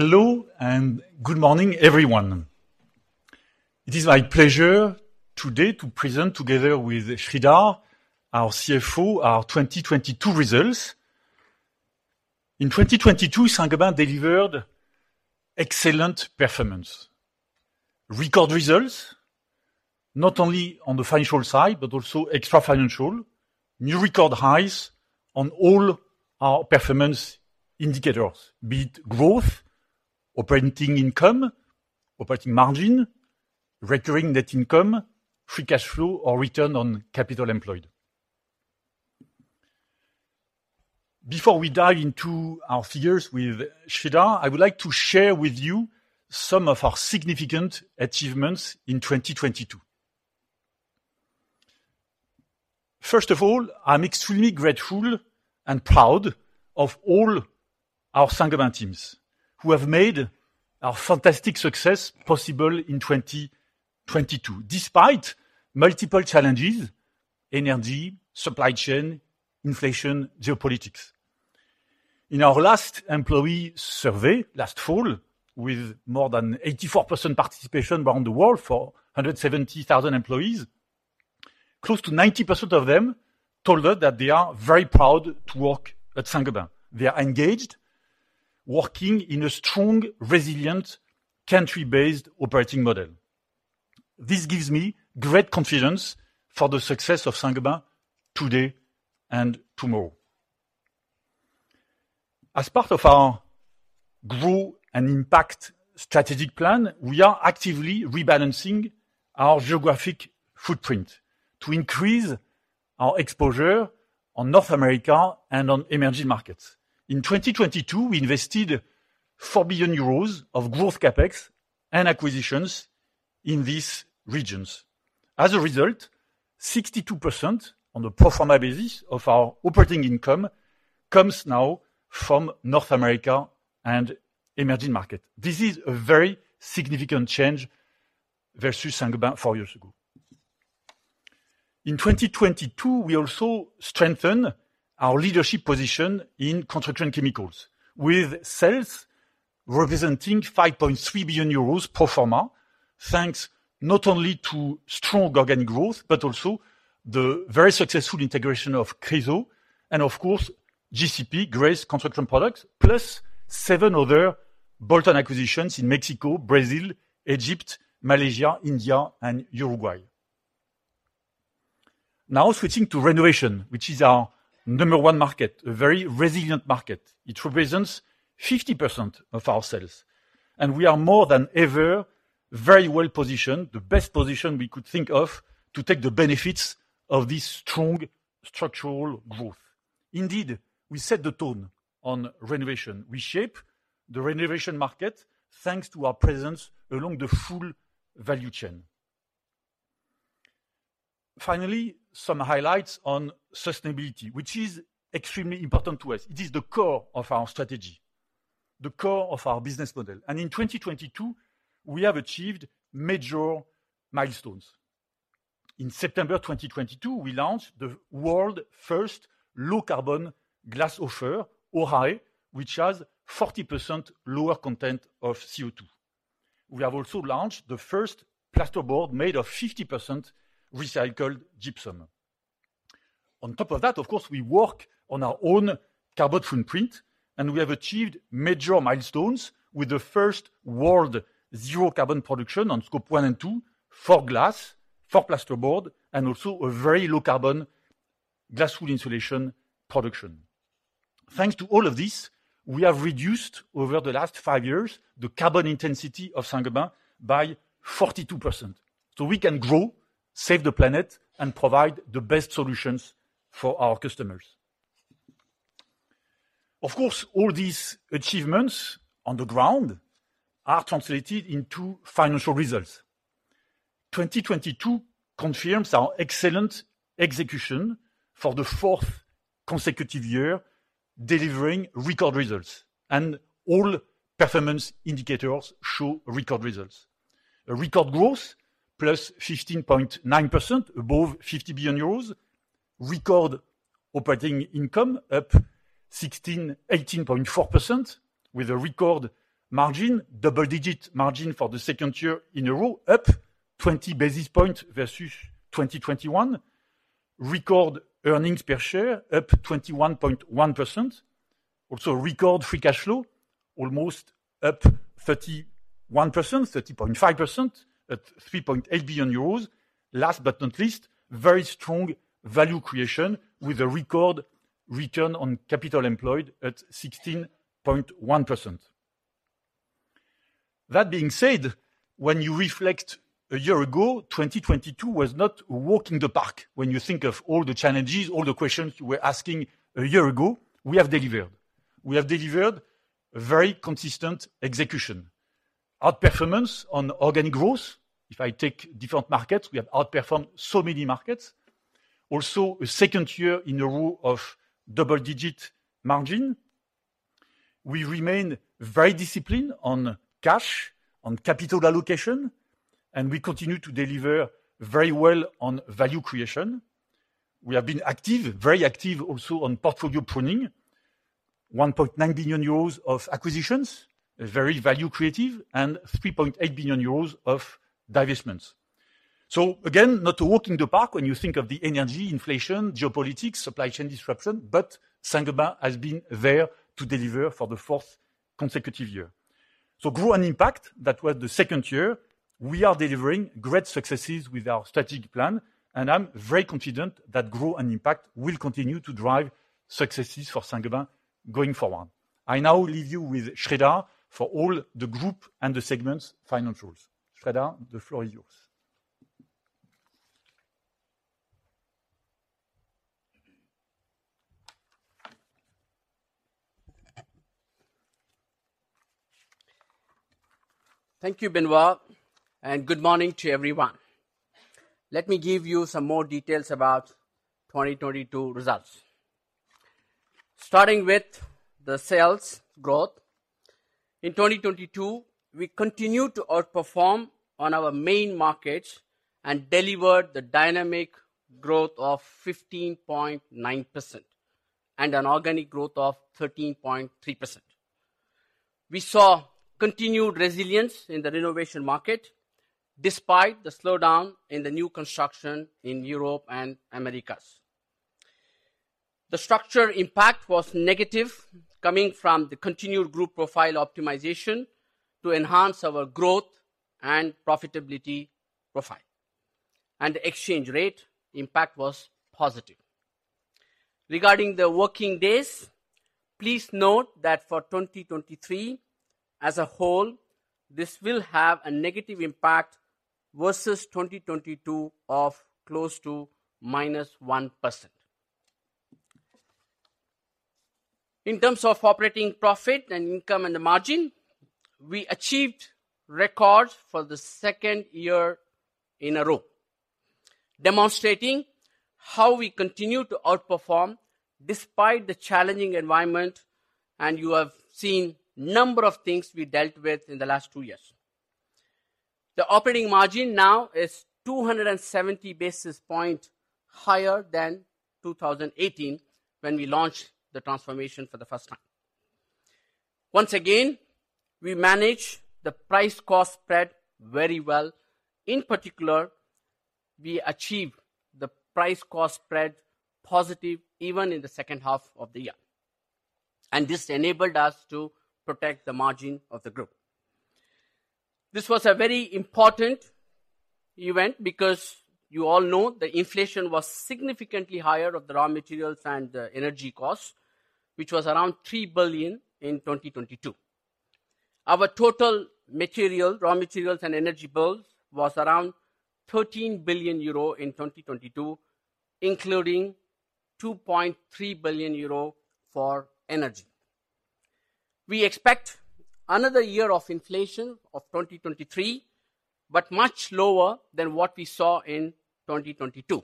Hello and good morning, everyone. It is my pleasure today to present together with Sreedhar, our CFO, our 2022 results. In 2022, Saint-Gobain delivered excellent performance. Record results, not only on the financial side, but also extra financial. New record highs on all our performance indicators, be it growth, operating income, operating margin, recurring net income, free cash flow, or return on capital employed. Before we dive into our figures with Sreedhar, I would like to share with you some of our significant achievements in 2022. First of all, I'm extremely grateful and proud of all our Saint-Gobain teams who have made our fantastic success possible in 2022, despite multiple challenges, energy, supply chain, inflation, geopolitics. In our last employee survey last fall, with more than 84% participation around the world for 170,000 employees, close to 90% of them told us that they are very proud to work at Saint-Gobain. They are engaged, working in a strong, resilient, country-based operating model. This gives me great confidence for the success of Saint-Gobain today and tomorrow. As part of our Grow & Impact strategic plan, we are actively rebalancing our geographic footprint to increase our exposure on North America and on emerging markets. In 2022, we invested 4 billion euros of growth CapEx and acquisitions in these regions. As a result, 62% on the pro forma basis of our operating income comes now from North America and emerging market. This is a very significant change versus Saint-Gobain four years ago. In 2022, we also strengthen our leadership position in Construction Chemicals, with sales representing 5.3 billion euros pro forma. Thanks not only to strong organic growth, but also the very successful integration of Chryso and of course GCP, Grace Construction Products, plus 7 other bolt-on acquisitions in Mexico, Brazil, Egypt, Malaysia, India and Uruguay. Renovation, which is our number one market, a very resilient market. It represents 50% of our sales, and we are more than ever very well-positioned, the best position we could think of to take the benefits of this strong structural growth. We set the tone on renovation. We shape the renovation market, thanks to our presence along the full value chain. Some highlights on sustainability, which is extremely important to us. It is the core of our strategy, the core of our business model. In 2022, we have achieved major milestones. In September 2022, we launched the world first low-carbon glass offer, ORAÉ, which has 40% lower content of CO₂. We have also launched the first plasterboard made of 50% recycled gypsum. On top of that, of course, we work on our own carbon footprint, and we have achieved major milestones with the first world zero carbon production on Scope 1 and 2 for glass, for plasterboard, and also a very low carbon glass wool insulation production. Thanks to all of this, we have reduced over the last 5 years the carbon intensity of Saint-Gobain by 42%. We can grow, save the planet, and provide the best solutions for our customers. Of course, all these achievements on the ground are translated into financial results. 2022 confirms our excellent execution for the fourth consecutive year, delivering record results and all performance indicators show record results. A record growth +15.9% above 50 billion euros. Record operating income up 18.4% with a record margin. Double-digit margin for the second year in a row, up 20 basis points versus 2021. Record earnings per share up 21.1%. Also, record free cash flow almost up 31%, 30.5% at 3.8 billion euros. Last but not least, very strong value creation with a record return on capital employed at 16.1%. That being said, when you reflect a year ago, 2022 was not walking the park. When you think of all the challenges, all the questions you were asking a year ago, we have delivered. We have delivered very consistent execution. Outperformance on organic growth. If I take different markets, we have outperformed so many markets. Also a second year in a row of double-digit margin. We remain very disciplined on cash, on capital allocation, and we continue to deliver very well on value creation. We have been active, very active also on portfolio pruning, 1.9 billion euros of acquisitions, very value creative, and 3.8 billion euros of divestments. Again, not a walk in the park when you think of the energy inflation, geopolitics, supply chain disruption, but Saint-Gobain has been there to deliver for the fourth consecutive year. Grow & Impact, that was the second year. We are delivering great successes with our strategic plan, and I'm very confident that Grow & Impact will continue to drive successes for Saint-Gobain going forward. I now leave you with Sridhar for all the group and the segments financials. Sridhar, the floor is yours. Thank you, Benoit. Good morning to everyone. Let me give you some more details about 2022 results. Starting with the sales growth. In 2022, we continued to outperform on our main markets and delivered the dynamic growth of 15.9% and an organic growth of 13.3%. We saw continued resilience in the renovation market despite the slowdown in the new construction in Europe and Americas. The structure impact was negative, coming from the continued group profile optimization to enhance our growth and profitability profile, and the exchange rate impact was positive. Regarding the working days, please note that for 2023, as a whole, this will have a negative impact versus 2022 of close to -1%. In terms of operating profit and income and the margin, we achieved records for the second year in a row, demonstrating how we continue to outperform despite the challenging environment, you have seen number of things we dealt with in the last two years. The operating margin now is 270 basis point higher than 2018 when we launched the transformation for the first time. Once again, we managed the price-cost spread very well. In particular, we achieved the price-cost spread positive even in the second half of the year. This enabled us to protect the margin of the group. This was a very important event because you all know that inflation was significantly higher of the raw materials and the energy costs, which was around 3 billion in 2022. Our total material, raw materials and energy bills was around 13 billion euro in 2022, including 2.3 billion euro for energy. We expect another year of inflation of 2023, but much lower than what we saw in 2022,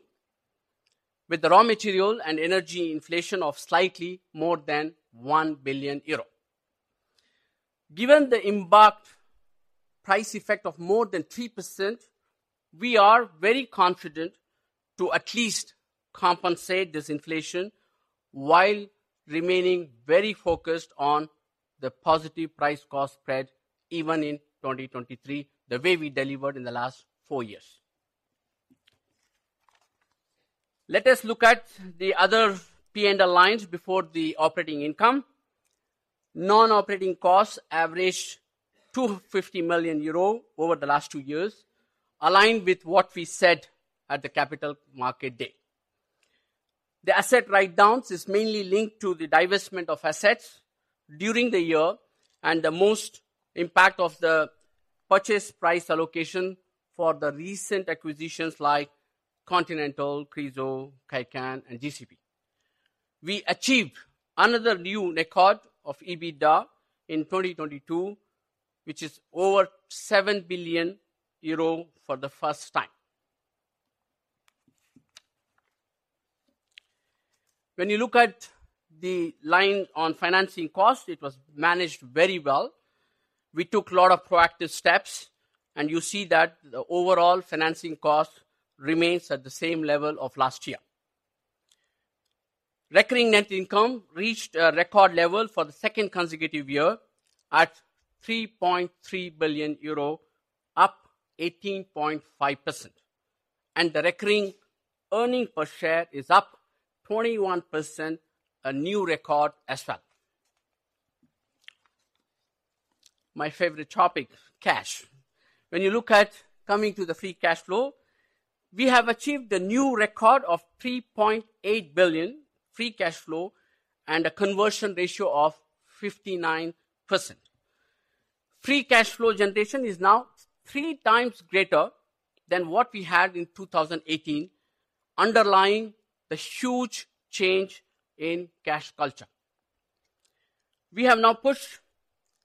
with the raw material and energy inflation of slightly more than 1 billion euro. Given the embarked price effect of more than 3%, we are very confident to at least compensate this inflation while remaining very focused on the positive price-cost spread even in 2023, the way we delivered in the last four years. Let us look at the other PNL lines before the operating income. Non-operating costs averaged 250 million euro over the last two years, aligned with what we said at the Capital Markets Day. The asset write-downs is mainly linked to the divestment of assets during the year and the most impact of the purchase price allocation for the recent acquisitions like Continental, Chryso, Kaycan, and GCP. We achieved another new record of EBITDA in 2022, which is over 7 billion euro for the first time. When you look at the line on financing cost, it was managed very well. We took a lot of proactive steps, and you see that the overall financing cost remains at the same level of last year. Recurring net income reached a record level for the second consecutive year at 3.3 billion euro, up 18.5%. The recurring earning per share is up 21%, a new record as well. My favorite topic, cash. When you look at coming to the free cash flow, we have achieved a new record of 3.8 billion free cash flow and a conversion ratio of 59%. Free cash flow generation is now 3 times greater than what we had in 2018, underlying the huge change in cash culture. We have now pushed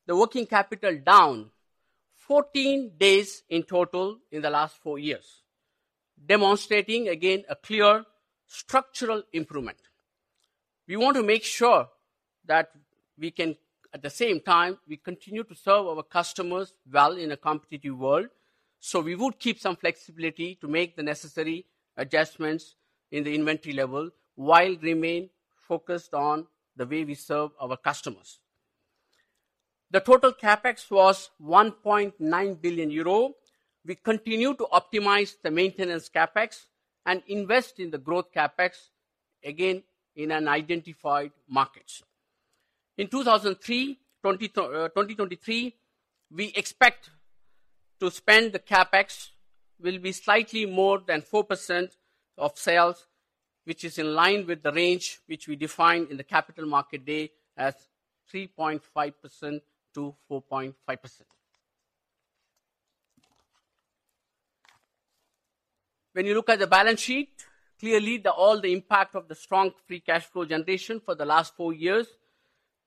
the working capital down 14 days in total in the last 4 years, demonstrating again a clear structural improvement. We want to make sure that we can, at the same time, we continue to serve our customers well in a competitive world. We would keep some flexibility to make the necessary adjustments in the inventory level while remain focused on the way we serve our customers. The total CapEx was 1.9 billion euro. We continue to optimize the maintenance CapEx and invest in the growth CapEx again in unidentified markets. In 2023, we expect to spend the CapEx will be slightly more than 4% of sales, which is in line with the range which we defined in the Capital Markets Day as 3.5%-4.5%. When you look at the balance sheet, clearly all the impact of the strong free cash flow generation for the last four years,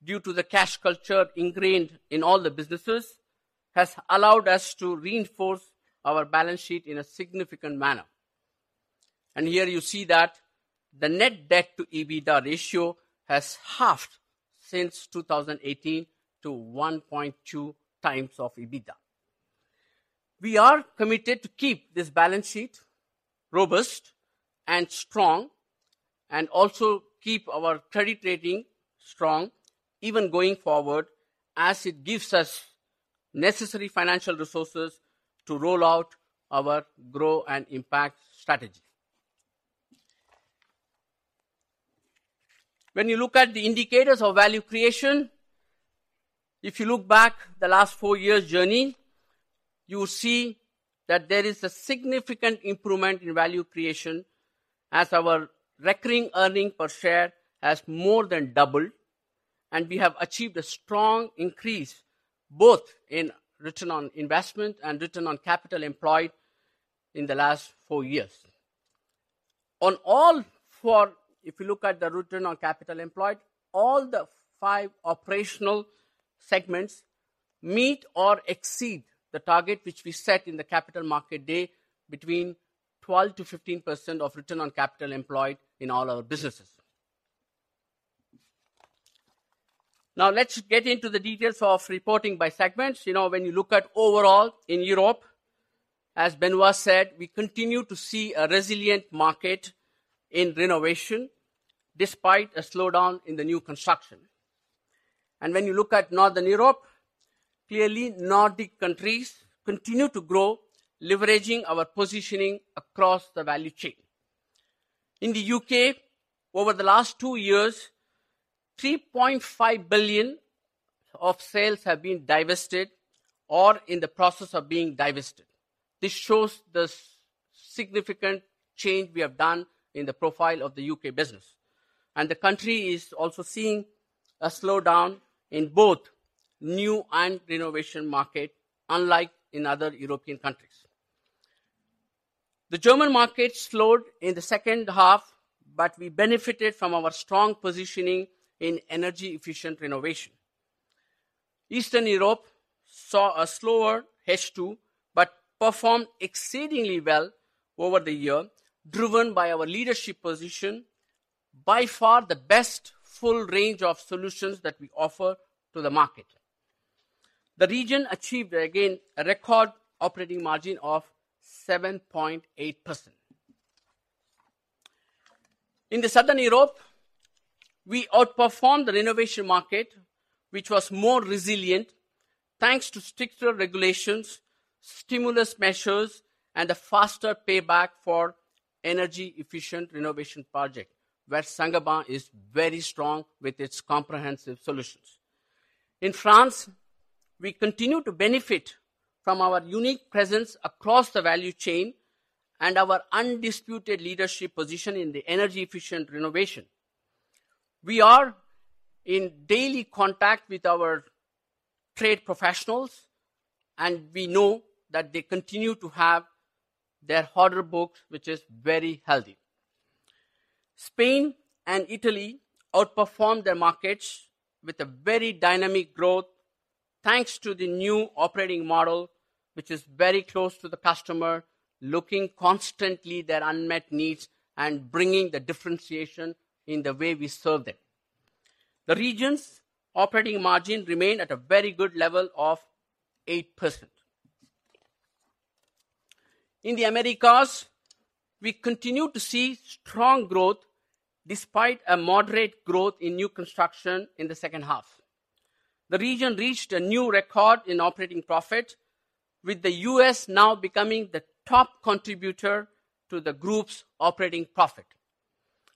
due to the cash culture ingrained in all the businesses, has allowed us to reinforce our balance sheet in a significant manner. Here you see that the net debt to EBITDA ratio has halved since 2018 to 1.2 times of EBITDA. We are committed to keep this balance sheet robust and strong and also keep our credit rating strong even going forward, as it gives us necessary financial resources to roll out our Grow & Impact strategy. When you look at the indicators of value creation, if you look back the last four years journey, you will see that there is a significant improvement in value creation as our recurring earnings per share has more than doubled, and we have achieved a strong increase, both in return on investment and return on capital employed in the last four years. On all four, if you look at the return on capital employed, all the five operational segments meet or exceed the target which we set in the Capital Markets Day between 12% to 15% of return on capital employed in all our businesses. Now let's get into the details of reporting by segments. You know, when you look at overall in Europe, as Benoit said, we continue to see a resilient market in renovation despite a slowdown in the new construction. When you look at Northern Europe, clearly Nordic countries continue to grow, leveraging our positioning across the value chain. In the U.K., over the last two years, 3.5 billion of sales have been divested or in the process of being divested. This shows the significant change we have done in the profile of the U.K. business. The country is also seeing a slowdown in both new and renovation market, unlike in other European countries. The German market slowed in the second half, we benefited from our strong positioning in energy-efficient renovation. Eastern Europe saw a slower H2, but performed exceedingly well over the year, driven by our leadership position, by far the best full range of solutions that we offer to the market. The region achieved, again, a record operating margin of 7.8%. In Southern Europe, we outperformed the renovation market, which was more resilient, thanks to stricter regulations, stimulus measures, and a faster payback for energy-efficient renovation project, where Saint-Gobain is very strong with its comprehensive solutions. In France, we continue to benefit from our unique presence across the value chain and our undisputed leadership position in the energy-efficient renovation. We are in daily contact with our trade professionals, and we know that they continue to have their order books, which is very healthy. Spain and Italy outperformed their markets with a very dynamic growth, thanks to the new operating model, which is very close to the customer, looking constantly their unmet needs and bringing the differentiation in the way we serve them. The regions' operating margin remained at a very good level of 8%. In the Americas, we continue to see strong growth despite a moderate growth in new construction in the second half. The region reached a new record in operating profit, with the U.S. now becoming the top contributor to the group's operating profit.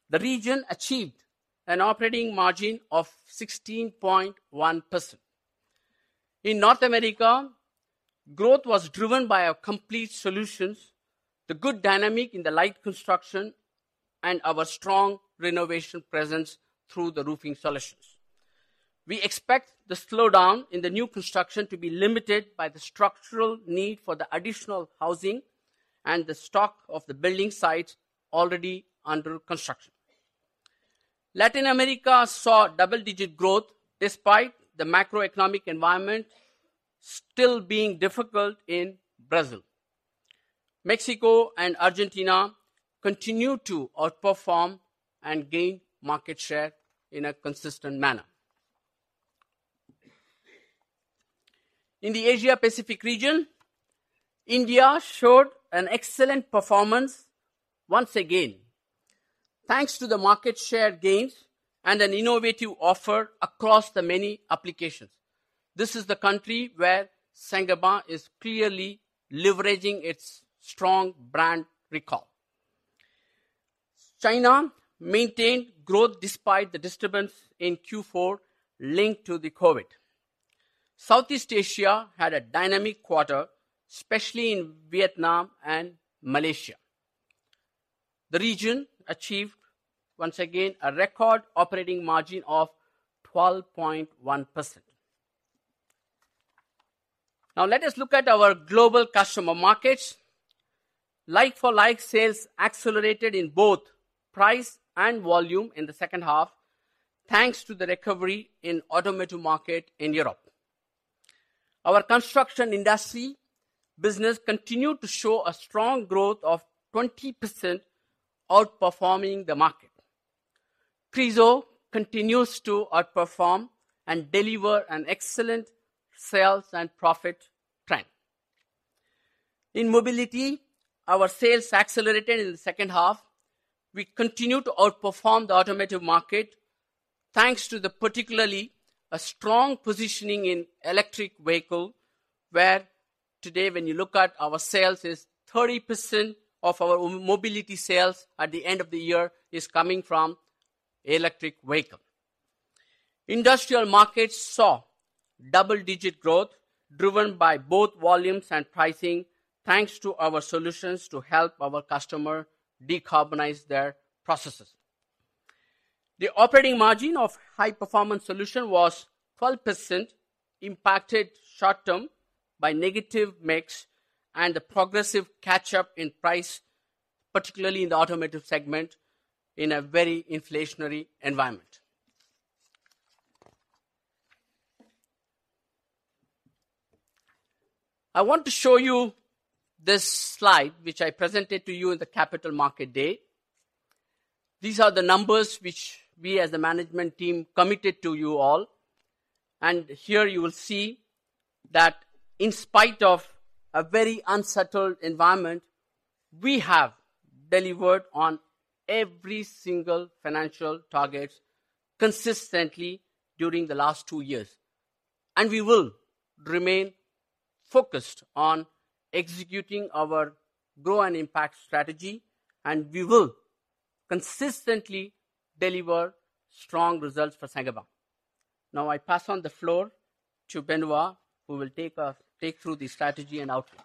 The region achieved an operating margin of 16.1%. In North America, growth was driven by our complete solutions, the good dynamic in the light construction, and our strong renovation presence through the roofing solutions. We expect the slowdown in the new construction to be limited by the structural need for the additional housing and the stock of the building sites already under construction. Latin America saw double-digit growth despite the macroeconomic environment still being difficult in Brazil. Mexico and Argentina continue to outperform and gain market share in a consistent manner. In the Asia Pacific region, India showed an excellent performance once again, thanks to the market share gains and an innovative offer across the many applications. This is the country where Saint-Gobain is clearly leveraging its strong brand recall. China maintained growth despite the disturbance in Q4 linked to the COVID. Southeast Asia had a dynamic quarter, especially in Vietnam and Malaysia. The region achieved once again a record operating margin of 12.1%. Let us look at our global customer markets. Like-for-like sales accelerated in both price and volume in the second half, thanks to the recovery in automotive market in Europe. Our construction industry business continued to show a strong growth of 20% outperforming the market. Prismo continues to outperform and deliver an excellent sales and profit trend. In mobility, our sales accelerated in the second half. We continue to outperform the automotive market, thanks to the particularly a strong positioning in electric vehicle, where today when you look at our sales is 30% of our m-mobility sales at the end of the year is coming from electric vehicle. Industrial markets saw double-digit growth driven by both volumes and pricing, thanks to our solutions to help our customer decarbonize their processes. The operating margin of High Performance Solutions was 12% impacted short-term by negative mix and the progressive catch-up in price, particularly in the automotive segment in a very inflationary environment. I want to show you this slide, which I presented to you in the Capital Markets Day. These are the numbers which we as a management team committed to you all. Here you will see that in spite of a very unsettled environment, we have delivered on every single financial targets consistently during the last two years. We will remain focused on executing our Grow & Impact strategy, and we will consistently deliver strong results for Saint-Gobain. Now I pass on the floor to Benoit, who will take us through the strategy and outlook.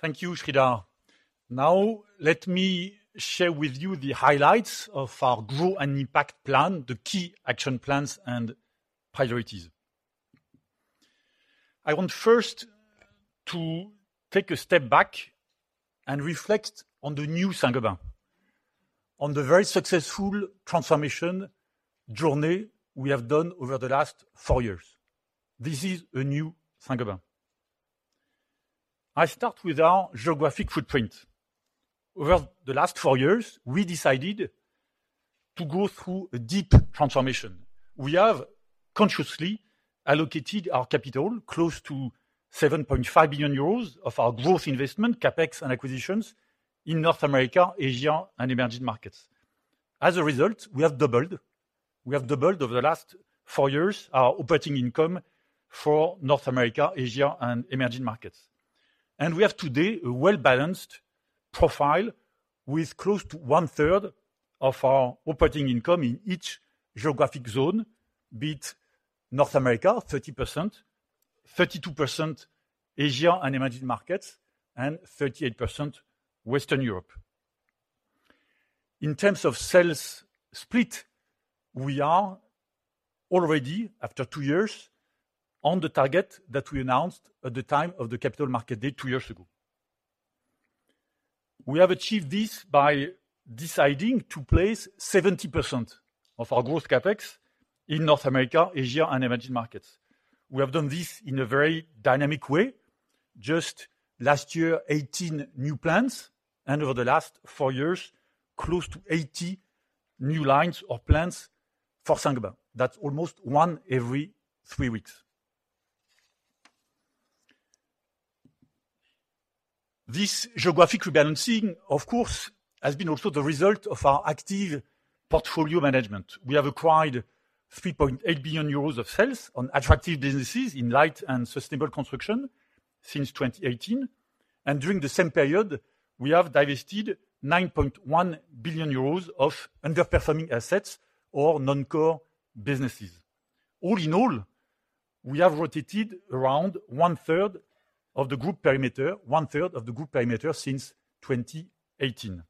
Thank you, Sridhar. Now, let me share with you the highlights of our Grow & Impact plan, the key action plans and priorities. I want first to take a step back and reflect on the new Saint-Gobain, on the very successful transformation journey we have done over the last four years. This is a new Saint-Gobain. I start with our geographic footprint. Over the last four years, we decided to go through a deep transformation. We have consciously allocated our capital close to 7.5 billion euros of our growth investment, CapEx and acquisitions in North America, Asia, and emerging markets. As a result, we have doubled over the last four years our operating income for North America, Asia, and emerging markets. We have today a well-balanced profile with close to one-third of our operating income in each geographic zone, be it North America, 30%, 32% Asia and emerging markets, and 38% Western Europe. In terms of sales split, we are already, after two years, on the target that we announced at the time of the Capital Markets Day two years ago. We have achieved this by deciding to place 70% of our gross CapEx in North America, Asia, and emerging markets. We have done this in a very dynamic way. Just last year, 18 new plants, and over the last four years, close to 80 new lines or plants for Saint-Gobain. That's almost one every three weeks. This geographic rebalancing, of course, has been also the result of our active portfolio management. We have acquired 3.8 billion euros of sales on attractive businesses in light and sustainable construction since 2018. During the same period, we have divested 9.1 billion euros of underperforming assets or non-core businesses. All in all, we have rotated around one-third of the group perimeter since 2018.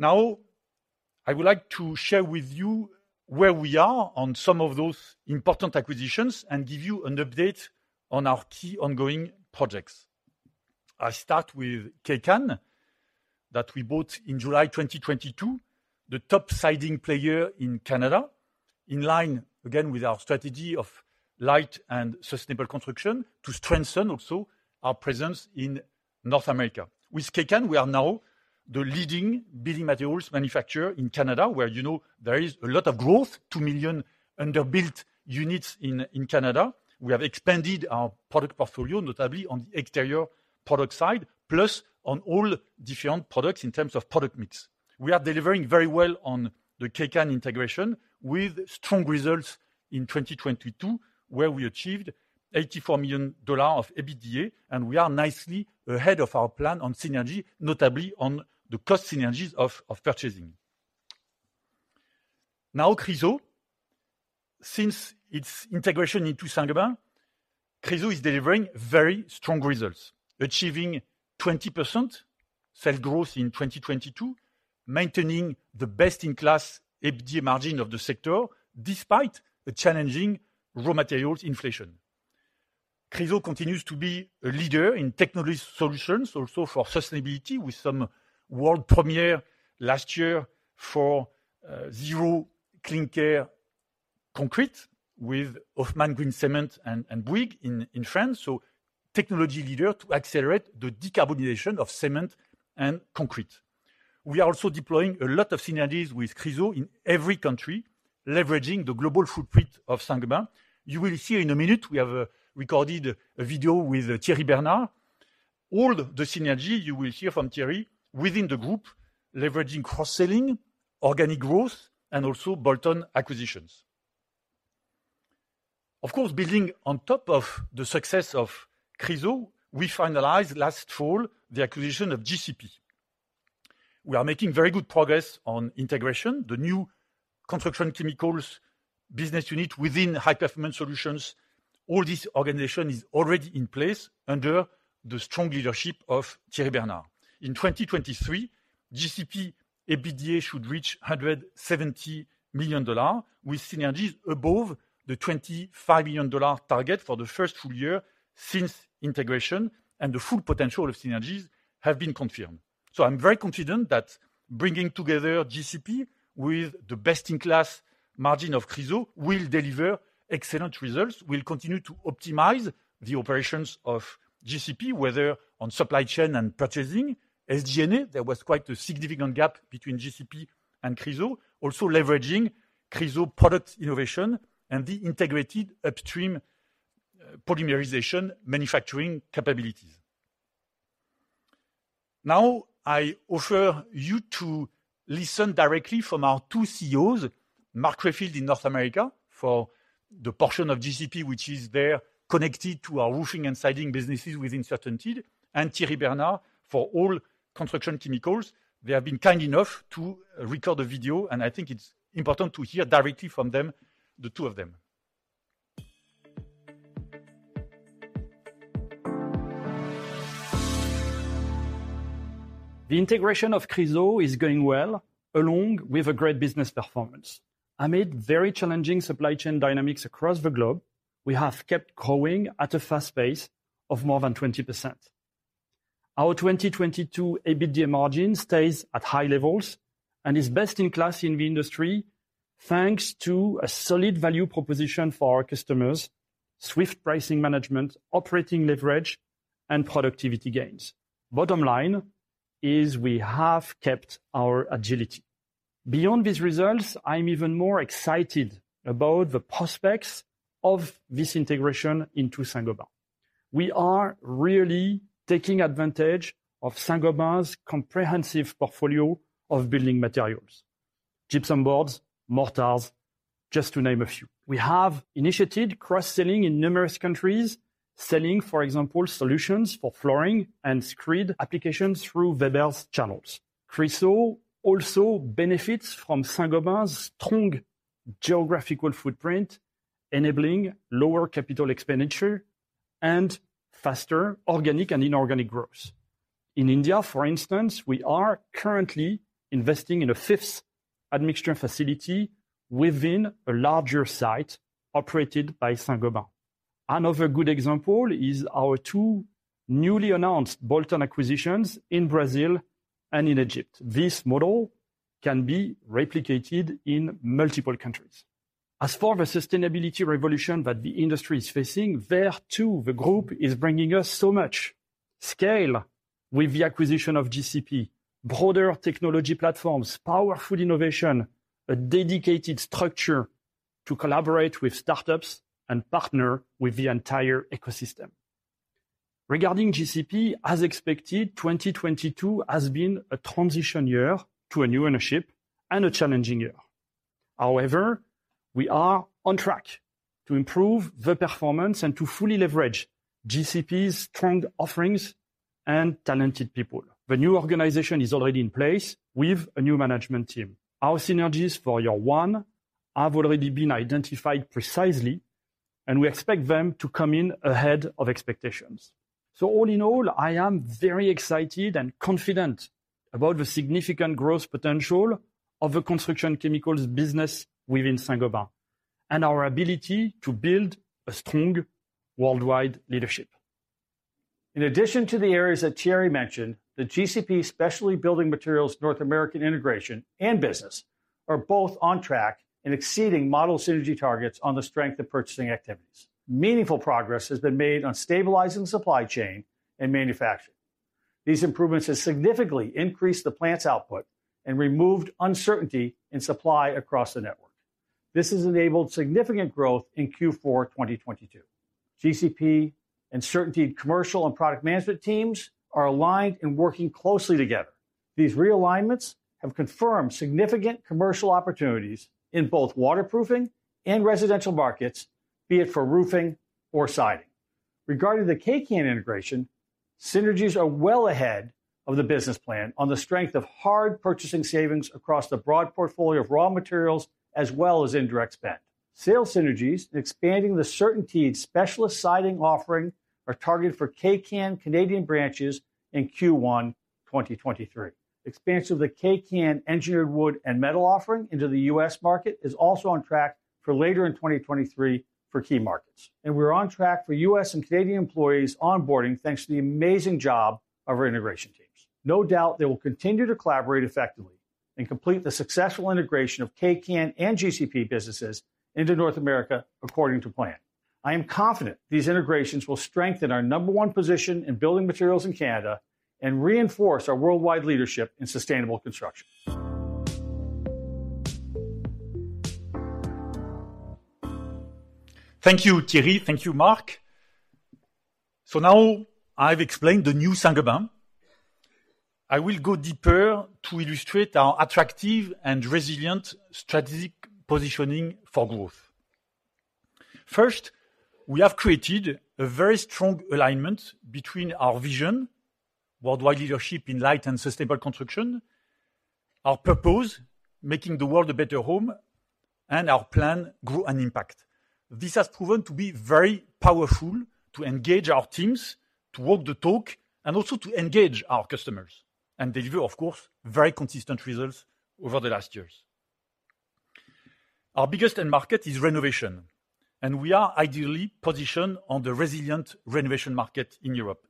I would like to share with you where we are on some of those important acquisitions and give you an update on our key ongoing projects. I start with Kaycan that we bought in July 2022, the top siding player in Canada, in line again with our strategy of light and sustainable construction to strengthen also our presence in North America. With Kaycan, we are now the leading building materials manufacturer in Canada, where you know there is a lot of growth, 2 million underbuilt units in Canada. We have expanded our product portfolio, notably on the exterior product side, plus on all different products in terms of product mix. We are delivering very well on the Kaycan integration with strong results in 2022, where we achieved $84 million of EBITDA, and we are nicely ahead of our plan on synergy, notably on the cost synergies of purchasing. Now, Chryso, since its integration into Saint-Gobain, Chryso is delivering very strong results. Achieving 20% sales growth in 2022, maintaining the best-in-class EBITDA margin of the sector, despite a challenging raw materials inflation. Chryso continues to be a leader in technology solutions, also for sustainability, with some world premiere last year for zero carbon concrete with Hoffmann Green Cement and Bouygues in France. Technology leader to accelerate the decarbonization of cement and concrete. We are also deploying a lot of synergies with Chryso in every country, leveraging the global footprint of Saint-Gobain. You will see in a minute, we have recorded a video with Thierry Bernard. All the synergy you will hear from Thierry within the group, leveraging cross-selling, organic growth, and also bolt-on acquisitions. Of course, building on top of the success of Chryso, we finalized last fall the acquisition of GCP. We are making very good progress on integration, the new construction chemicals business unit within High Performance Solutions. All this organization is already in place under the strong leadership of Thierry Bernard. In 2023, GCP EBITDA should reach $170 million with synergies above the $25 million target for the first full year since integration and the full potential of synergies have been confirmed. I'm very confident that bringing together GCP with the best-in-class margin of Chryso will deliver excellent results. We'll continue to optimize the operations of GCP, whether on supply chain and purchasing. As DNA, there was quite a significant gap between GCP and Chryso. Also leveraging Chryso product innovation and the integrated upstream polymerization manufacturing capabilities. I offer you to listen directly from our two CEOs, Mark Rayfield in North America, for the portion of GCP, which is there, connected to our roofing and siding businesses within CertainTeed, and Thierry Bernard for all construction chemicals. They have been kind enough to record a video. I think it's important to hear directly from them, the two of them. The integration of Chryso is going well, along with a great business performance. Amid very challenging supply chain dynamics across the globe, we have kept growing at a fast pace of more than 20%. Our 2022 EBITDA margin stays at high levels and is best in class in the industry, thanks to a solid value proposition for our customers, swift pricing management, operating leverage, and productivity gains. Bottom line is we have kept our agility. Beyond these results, I'm even more excited about the prospects of this integration into Saint-Gobain. We are really taking advantage of Saint-Gobain's comprehensive portfolio of building materials, gypsum boards, mortars, just to name a few. We have initiated cross-selling in numerous countries, selling, for example, solutions for flooring and screed applications through Weber's channels. Chryso also benefits from Saint-Gobain's strong geographical footprint, enabling lower capital expenditure and faster organic and inorganic growth. In India, for instance, we are currently investing in a fifth admixture facility within a larger site operated by Saint-Gobain. Another good example is our two newly announced bolt-on acquisitions in Brazil and in Egypt. This model can be replicated in multiple countries. As for the sustainability revolution that the industry is facing, there, too, the group is bringing us so much scale with the acquisition of GCP, broader technology platforms, powerful innovation, a dedicated structure to collaborate with startups and partner with the entire ecosystem. Regarding GCP, as expected, 2022 has been a transition year to a new ownership and a challenging year. However, we are on track to improve the performance and to fully leverage GCP's strong offerings and talented people. The new organization is already in place with a new management team. Our synergies for year 1 have already been identified precisely, and we expect them to come in ahead of expectations. All in all, I am very excited and confident about the significant growth potential of the construction chemicals business within Saint-Gobain. Our ability to build a strong worldwide leadership. In addition to the areas that Thierry mentioned, the GCP specialty building materials North American integration and business are both on track and exceeding model synergy targets on the strength of purchasing activities. Meaningful progress has been made on stabilizing supply chain and manufacturing. These improvements have significantly increased the plant's output and removed uncertainty in supply across the network. This has enabled significant growth in Q4, 2022. GCP and CertainTeed commercial and product management teams are aligned and working closely together. These realignments have confirmed significant commercial opportunities in both waterproofing and residential markets, be it for roofing or siding. Regarding the K-Can integration, synergies are well ahead of the business plan on the strength of hard purchasing savings across the broad portfolio of raw materials, as well as indirect spend. Sales synergies and expanding the CertainTeed specialist siding offering are targeted for Kaycan Canadian branches in Q1, 2023. Expansion of the Kaycan engineered wood and metal offering into the U.S. market is also on track for later in 2023 for key markets. We're on track for U.S. and Canadian employees onboarding, thanks to the amazing job of our integration teams. No doubt they will continue to collaborate effectively and complete the successful integration of Kaycan and GCP businesses into North America according to plan. I am confident these integrations will strengthen our number one position in building materials in Canada and reinforce our worldwide leadership in sustainable construction. Thank you, Thierry. Thank you, Mark. Now I've explained the new Saint-Gobain. I will go deeper to illustrate our attractive and resilient strategic positioning for growth. First, we have created a very strong alignment between our vision, worldwide leadership in light and sustainable construction, our purpose, making the world a better home, and our plan, Grow & Impact. This has proven to be very powerful to engage our teams, to walk the talk, and also to engage our customers, and deliver, of course, very consistent results over the last years. Our biggest end market is renovation, and we are ideally positioned on the resilient renovation market in Europe.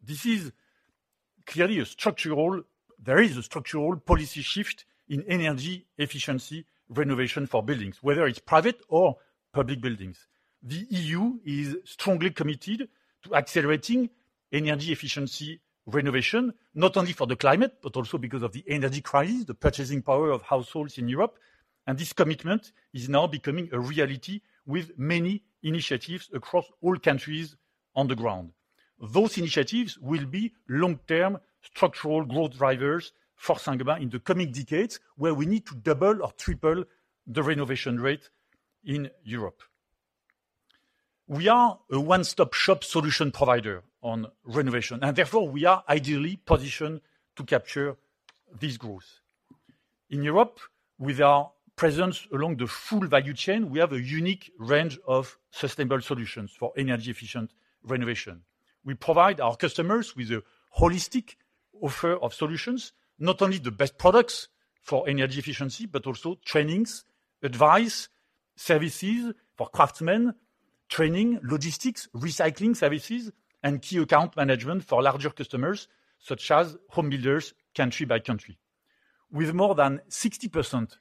There is a structural policy shift in energy efficiency renovation for buildings, whether it's private or public buildings. The EU is strongly committed to accelerating energy efficiency renovation not only for the climate, but also because of the energy crisis, the purchasing power of households in Europe. This commitment is now becoming a reality with many initiatives across all countries on the ground. Those initiatives will be long-term structural growth drivers for Saint-Gobain in the coming decades, where we need to double or triple the renovation rate in Europe. We are a one-stop shop solution provider on renovation, and therefore we are ideally positioned to capture this growth. In Europe, with our presence along the full value chain, we have a unique range of sustainable solutions for energy efficient renovation. We provide our customers with a holistic offer of solutions, not only the best products for energy efficiency, but also trainings, advice, services for craftsmen, training, logistics, recycling services, and key account management for larger customers such as home builders, country by country. With more than 60%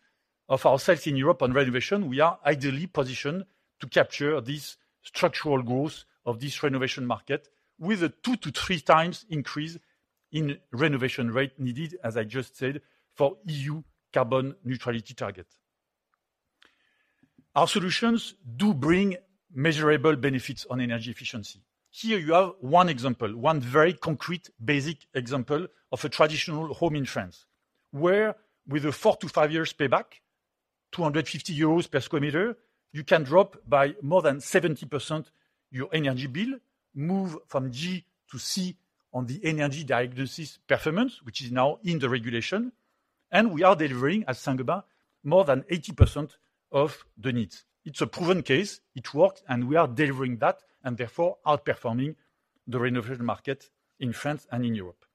of our sales in Europe on renovation, we are ideally positioned to capture this structural growth of this renovation market with a 2 to 3 times increase in renovation rate needed, as I just said, for EU carbon neutrality target. Our solutions do bring measurable benefits on energy efficiency. Here you have one example, one very concrete basic example of a traditional home in France, where with a 4-5 years payback, 250 euros per square meter, you can drop by more than 70% your energy bill, move from G to C on the energy diagnosis performance, which is now in the regulation. We are delivering, as Saint-Gobain, more than 80% of the needs. It's a proven case. It works, and we are delivering that, and therefore outperforming the renovation market in France and in Europe.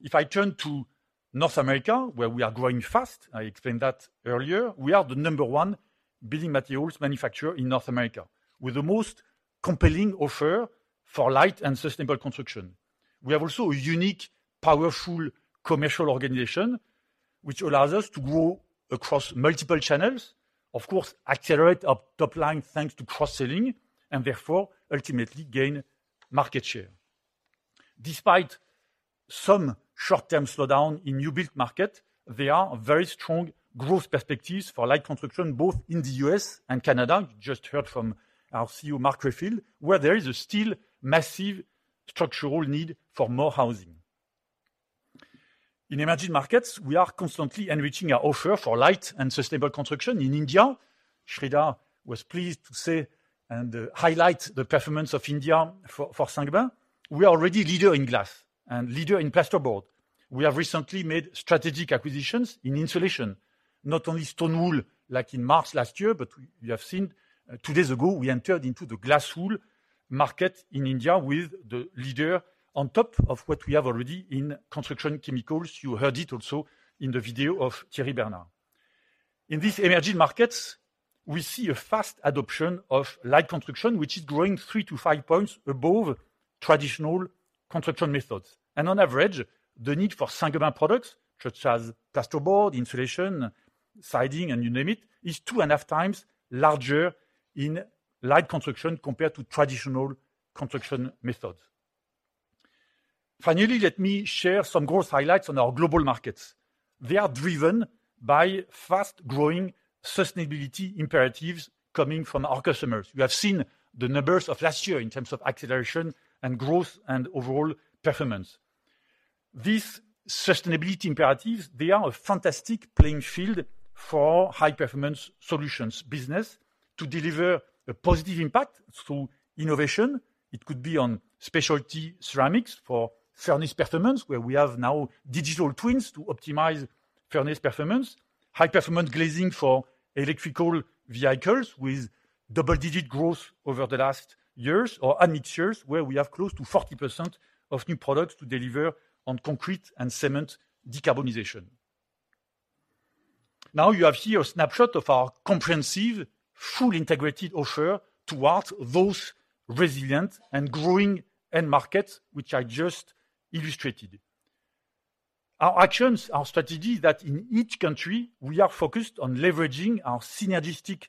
If I turn to North America, where we are growing fast, I explained that earlier, we are the number one building materials manufacturer in North America with the most compelling offer for light and sustainable construction. We have also a unique, powerful commercial organization, which allows us to grow across multiple channels, of course, accelerate our top line thanks to cross-selling, and therefore ultimately gain market share. Despite some short-term slowdown in new build market, there are very strong growth perspectives for light construction, both in the U.S. and Canada. You just heard from our CEO, Mark Rayfield, where there is a still massive structural need for more housing. In emerging markets, we are constantly enriching our offer for light and sustainable construction. In India, Sridhar was pleased to say and highlight the performance of India for Saint-Gobain. We are already leader in glass and leader in plasterboard. We have recently made strategic acquisitions in insulation, not only stone wool like in March last year, but we have seen, 2 days ago, we entered into the glass wool market in India with the leader on top of what we have already in Construction Chemicals. You heard it also in the video of Thierry Bernard. In these emerging markets, we see a fast adoption of light construction, which is growing 3-5 points above traditional construction methods. On average, the need for Saint-Gobain products such as plasterboard, insulation, siding, and you name it, is 2.5 times larger in light construction compared to traditional construction methods. Finally, let me share some growth highlights on our global markets. They are driven by fast-growing sustainability imperatives coming from our customers. You have seen the numbers of last year in terms of acceleration and growth and overall performance. These sustainability imperatives, they are a fantastic playing field for High Performance Solutions business to deliver a positive impact through innovation. It could be on specialty ceramics for furnace performance, where we have now digital twins to optimize furnace performance, high performance glazing for electrical vehicles with double-digit growth over the last years, or admixtures, where we have close to 40% of new products to deliver on concrete and cement decarbonization. You have here a snapshot of our comprehensive, fully integrated offer towards those resilient and growing end markets, which I just illustrated. Our actions, our strategy that in each country we are focused on leveraging our synergistic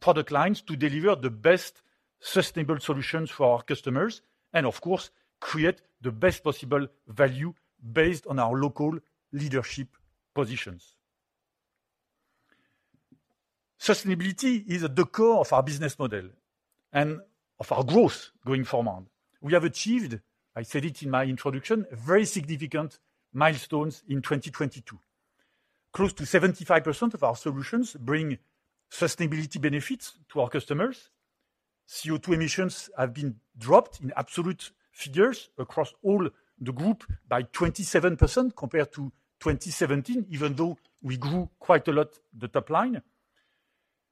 product lines to deliver the best sustainable solutions for our customers and of course, create the best possible value based on our local leadership positions. Sustainability is at the core of our business model and of our growth going forward. We have achieved, I said it in my introduction, very significant milestones in 2022. Close to 75% of our solutions bring sustainability benefits to our customers. CO₂ emissions have been dropped in absolute figures across all the group by 27% compared to 2017, even though we grew quite a lot the top line.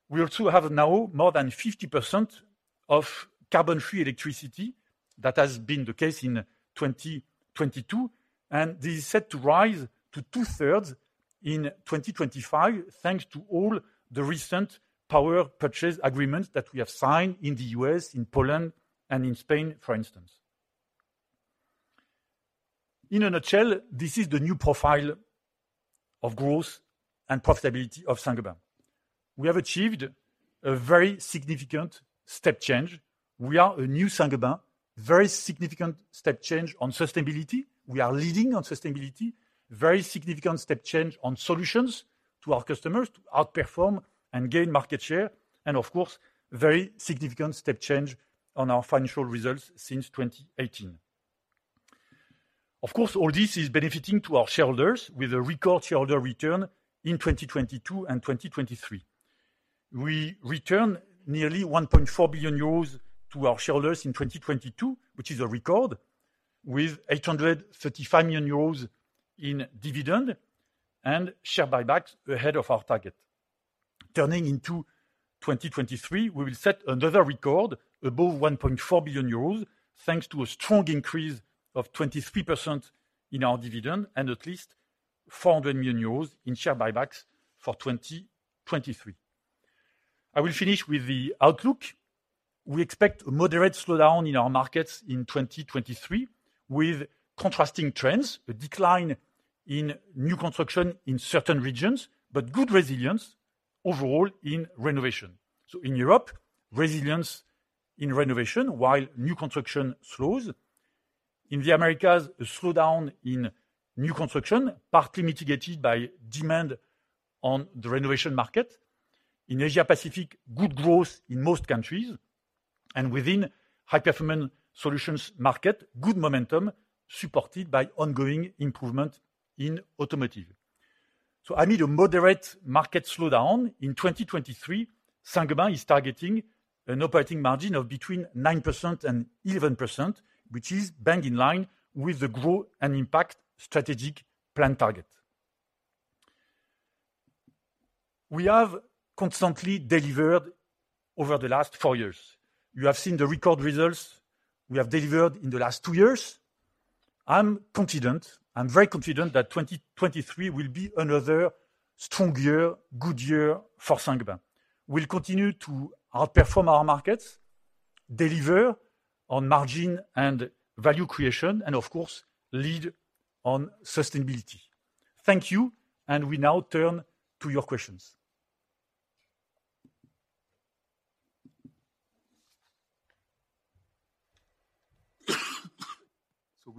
We also have now more than 50% of carbon-free electricity. That has been the case in 2022, and this is set to rise to two-thirds in 2025, thanks to all the recent power purchase agreements that we have signed in the U.S., in Poland, and in Spain, for instance. In a nutshell, this is the new profile of growth and profitability of Saint-Gobain. We have achieved a very significant step change. We are a new Saint-Gobain, very significant step change on sustainability. We are leading on sustainability, very significant step change on solutions to our customers to outperform and gain market share, and of course, very significant step change on our financial results since 2018. Of course, all this is benefiting to our shareholders with a record shareholder return in 2022 and 2023. We return nearly 1.4 billion euros to our shareholders in 2022, which is a record with 835 million euros in dividend and share buybacks ahead of our target. Turning into 2023, we will set another record above 1.4 billion euros, thanks to a strong increase of 23% in our dividend and at least 400 million euros in share buybacks for 2023. I will finish with the outlook. We expect a moderate slowdown in our markets in 2023, with contrasting trends, a decline in new construction in certain regions, but good resilience overall in renovation. In Europe, resilience in renovation while new construction slows. In the Americas, a slowdown in new construction, partly mitigated by demand on the renovation market. In Asia Pacific, good growth in most countries. Within High Performance Solutions market, good momentum supported by ongoing improvement in automotive. Amid a moderate market slowdown in 2023, Saint-Gobain is targeting an operating margin of between 9% and 11%, which is bang in line with the Grow & Impact strategic plan target. We have constantly delivered over the last four years. You have seen the record results we have delivered in the last two years. I'm confident, I'm very confident that 2023 will be another strong year, good year for Saint-Gobain. We'll continue to outperform our markets, deliver on margin and value creation, and of course, lead on sustainability. Thank you, and we now turn to your questions.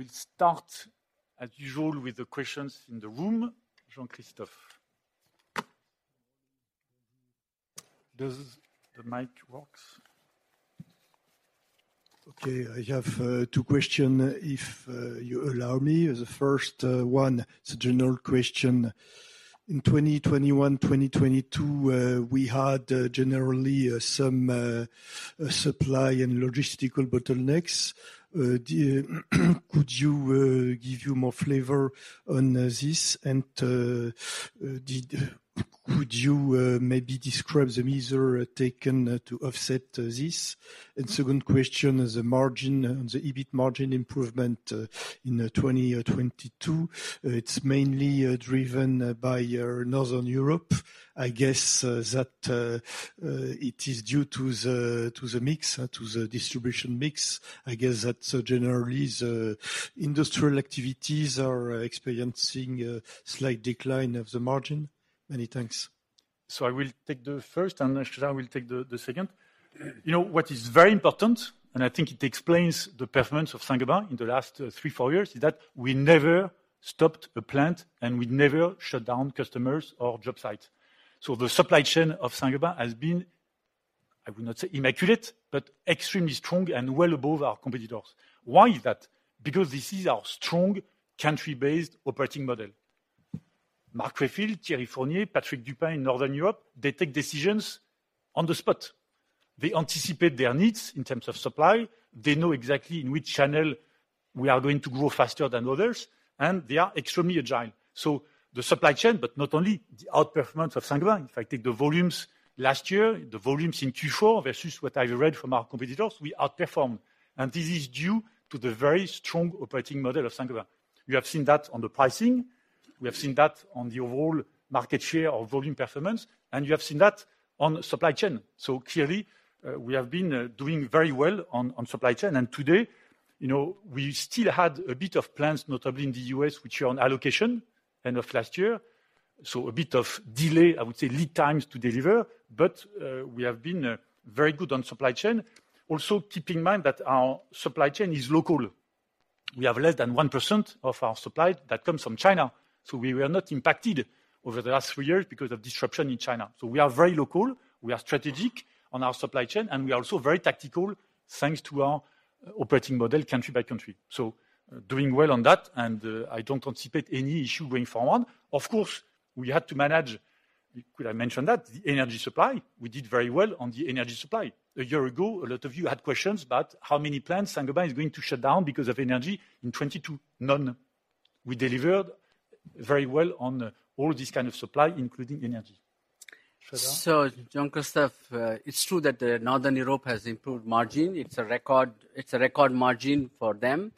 We'll start as usual with the questions in the room. Jean-Christophe. Does the mic works? Okay, I have two questions, if you allow me. The first one is a general question. In 2021, 2022, we had generally some supply and logistical bottlenecks. Could you give you more flavor on this and, could you maybe describe the measure taken to offset this? Second question is the margin on the EBIT margin improvement in 2022. It's mainly driven by Northern Europe. I guess that it is due to the mix, to the distribution mix. I guess that's generally the industrial activities are experiencing a slight decline of the margin. Many thanks. I will take the first and Sreedhar will take the second. You know, what is very important, and I think it explains the performance of Saint-Gobain in the last 3, 4 years, is that we never stopped a plant, and we never shut down customers or job sites. The supply chain of Saint-Gobain has been, I would not say immaculate, but extremely strong and well above our competitors. Why is that? Because this is our strong country-based operating model. Marc Pefil, Thierry Fournier, Patrick Dupin in Northern Europe, they take decisions on the spot. They anticipate their needs in terms of supply. They know exactly in which channel we are going to grow faster than others, and they are extremely agile. The supply chain, but not only the outperformance of Saint-Gobain. If I take the volumes last year, the volumes in Q4 versus what I read from our competitors, we outperformed. This is due to the very strong operating model of Saint-Gobain. We have seen that on the pricing, we have seen that on the overall market share or volume performance, and you have seen that on supply chain. Clearly, we have been doing very well on supply chain. Today, you know, we still had a bit of plans, notably in the US, which are on allocation end of last year. A bit of delay, I would say lead times to deliver, but we have been very good on supply chain. Also, keep in mind that our supply chain is local. We have less than 1% of our supply that comes from China, we were not impacted over the last 3 years because of disruption in China. We are very local, we are strategic on our supply chain, and we are also very tactical, thanks to our operating model country by country. Doing well on that, and I don't anticipate any issue going forward. Of course, we had to manage, could I mention that? The energy supply. We did very well on the energy supply. A year ago, a lot of you had questions about how many plants Saint-Gobain is going to shut down because of energy. In 2022, none. We delivered very well on all this kind of supply, including energy. Sharad? Jean-Christophe, it's true that Northern Europe has improved margin. It's a record, it's a record margin for them.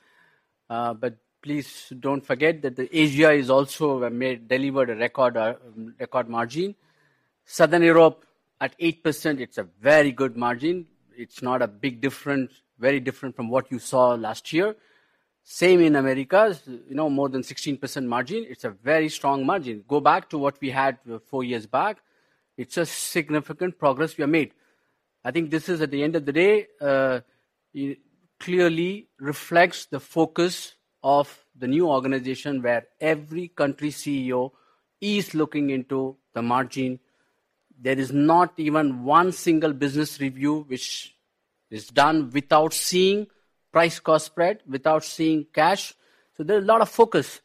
Please don't forget that the Asia also delivered a record margin. Southern Europe at 8%, it's a very good margin. It's not a big difference, very different from what you saw last year. Same in Americas, you know, more than 16% margin. It's a very strong margin. Go back to what we had four years back. It's a significant progress we have made. I think this is at the end of the day, clearly reflects the focus of the new organization, where every country CEO is looking into the margin. There is not even one single business review which is done without seeing price-cost spread, without seeing cash. There's a lot of focus.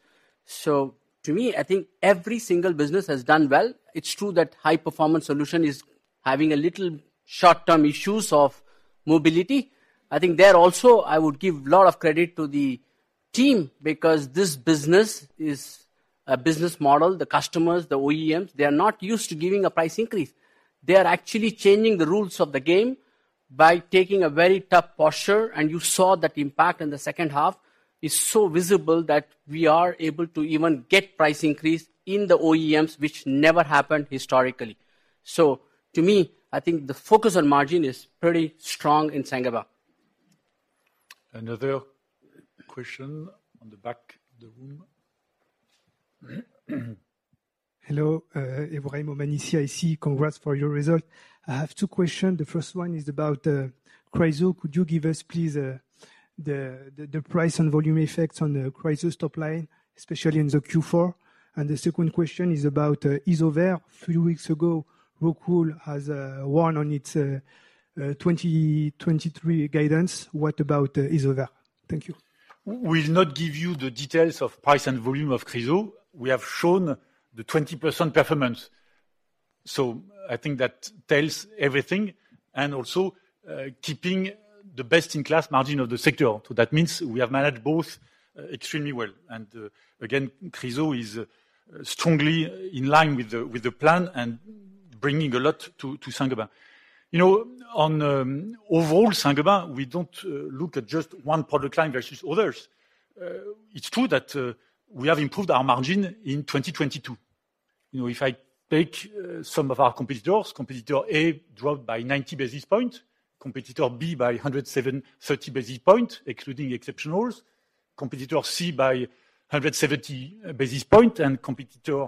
To me, I think every single business has done well. It's true that High Performance Solutions is having a little short-term issues of mobility. I think there also I would give lot of credit to the team because this business is a business model. The customers, the OEMs, they are not used to giving a price increase. They are actually changing the rules of the game by taking a very tough posture. You saw that impact in the second half is so visible that we are able to even get price increase in the OEMs, which never happened historically. To me, I think the focus on margin is pretty strong in Saint-Gobain. Another question on the back of the room. Hello. Ivrain Momanici, I see. Congrats for your result. I have two questions. The first one is about Chryso. Could you give us please the price and volume effects on the Chryso top line, especially in the Q4? The second question is about Isover. A few weeks ago, ROCKWOOL has won on its 2023 guidance. What about Isover? Thank you. We will not give you the details of price and volume of Chryso. We have shown the 20% performance. I think that tells everything and also keeping the best-in-class margin of the sector. That means we have managed both extremely well. Again, Chryso is strongly in line with the plan and bringing a lot to Saint-Gobain. You know, on overall Saint-Gobain, we don't look at just one product line versus others. It's true that we have improved our margin in 2022. You know, if I take some of our competitors, competitor A dropped by 90 basis point, competitor B by 130 basis point, excluding exceptionals, competitor C by 170 basis point, and competitor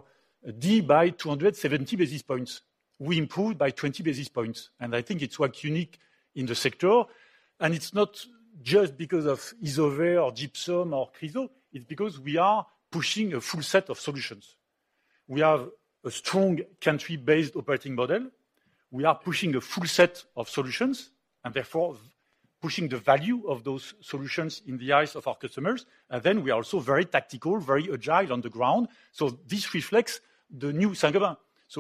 D by 270 basis points. We improved by 20 basis points, I think it's quite unique in the sector. It's not just because of Isover or Gypsum or Chryso, it's because we are pushing a full set of solutions. We have a strong country-based operating model. We are pushing a full set of solutions and therefore pushing the value of those solutions in the eyes of our customers. We are also very tactical, very agile on the ground. This reflects the new Saint-Gobain.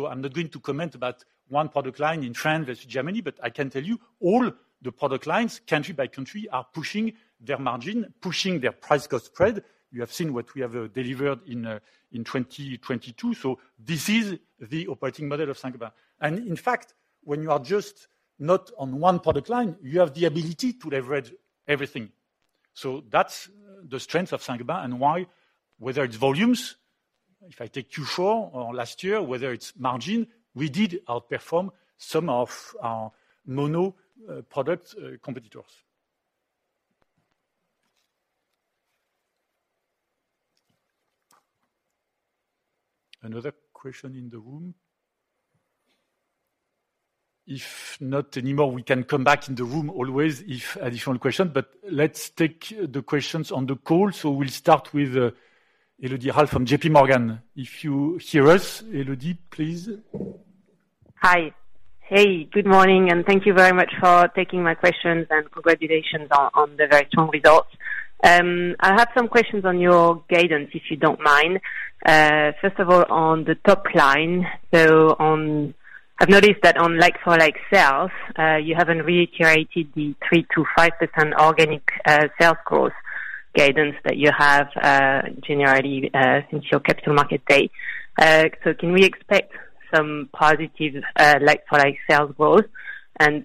I'm not going to comment about one product line in France versus Germany, but I can tell you all the product lines, country by country, are pushing their margin, pushing their price-cost spread. You have seen what we have delivered in 2022. This is the operating model of Saint-Gobain. In fact, when you are just not on one product line, you have the ability to leverage everything. That's the strength of Saint-Gobain and why, whether it's volumes, if I take Q4 or last year, whether it's margin, we did outperform some of our mono product competitors. Another question in the room? If not anymore, we can come back in the room always if additional questions, let's take the questions on the call. We'll start with Elodie Rall from JP Morgan. If you hear us, Elodie, please. Hi. Hey, good morning, and thank you very much for taking my questions, and congratulations on the very strong results. I have some questions on your guidance, if you don't mind. First of all, on the top line. I've noticed that on like-for-like sales, you haven't reiterated the 3%-5% organic sales growth guidance that you have generally since your capital market date. Can we expect some positive like-for-like sales growth?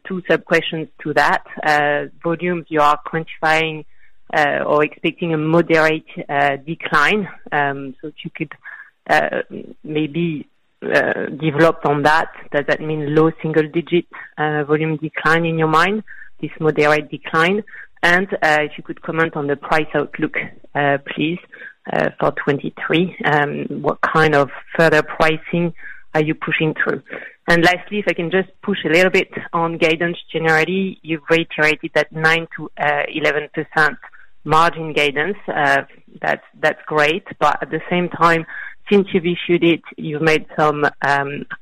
Two sub-questions to that. Volumes you are quantifying or expecting a moderate decline, if you could maybe develop on that. Does that mean low single digit volume decline in your mind, this moderate decline? If you could comment on the price outlook, please for 2023. What kind of further pricing are you pushing through? Lastly, if I can just push a little bit on guidance generally, you've reiterated that 9%-11% margin guidance. That's great, but at the same time since you've issued it, you've made some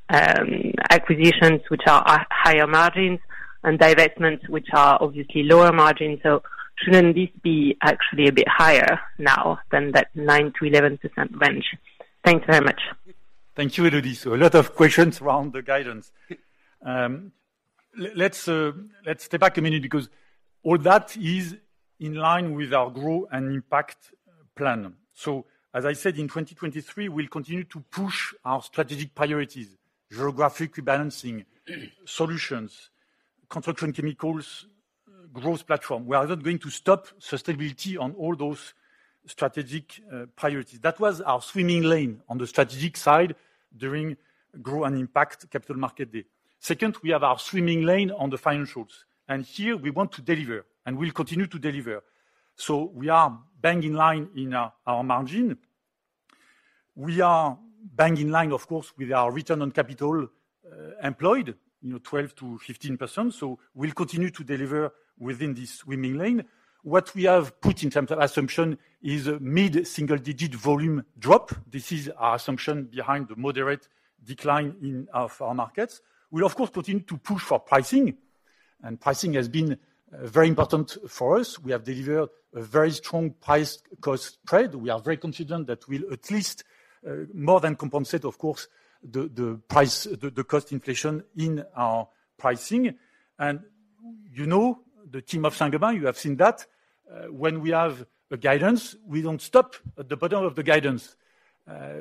acquisitions which are at higher margins and divestments which are obviously lower margin. Shouldn't this be actually a bit higher now than that 9%-11% range? Thanks very much. Thank you, Elodie. A lot of questions around the guidance. Let's step back a minute because all that is in line with our Grow & Impact plan. As I said, in 2023, we'll continue to push our strategic priorities: geographic rebalancing, solutions, Construction Chemicals, growth platform. We are not going to stop sustainability on all those strategic priorities. That was our swimming lane on the strategic side during Grow & Impact Capital Markets Day. Second, we have our swimming lane on the financials, and here we want to deliver, and we'll continue to deliver. We are bang in line in our margin. We are bang in line, of course, with our return on capital employed, you know, 12%-15%. We'll continue to deliver within this swimming lane. What we have put in terms of assumption is a mid-single digit volume drop. This is our assumption behind the moderate decline in our farm markets. We'll of course continue to push for pricing, and pricing has been very important for us. We have delivered a very strong price-cost spread. We are very confident that we'll at least more than compensate, of course, the price, the cost inflation in our pricing. you know the team of Saint-Gobain, you have seen that when we have a guidance, we don't stop at the bottom of the guidance.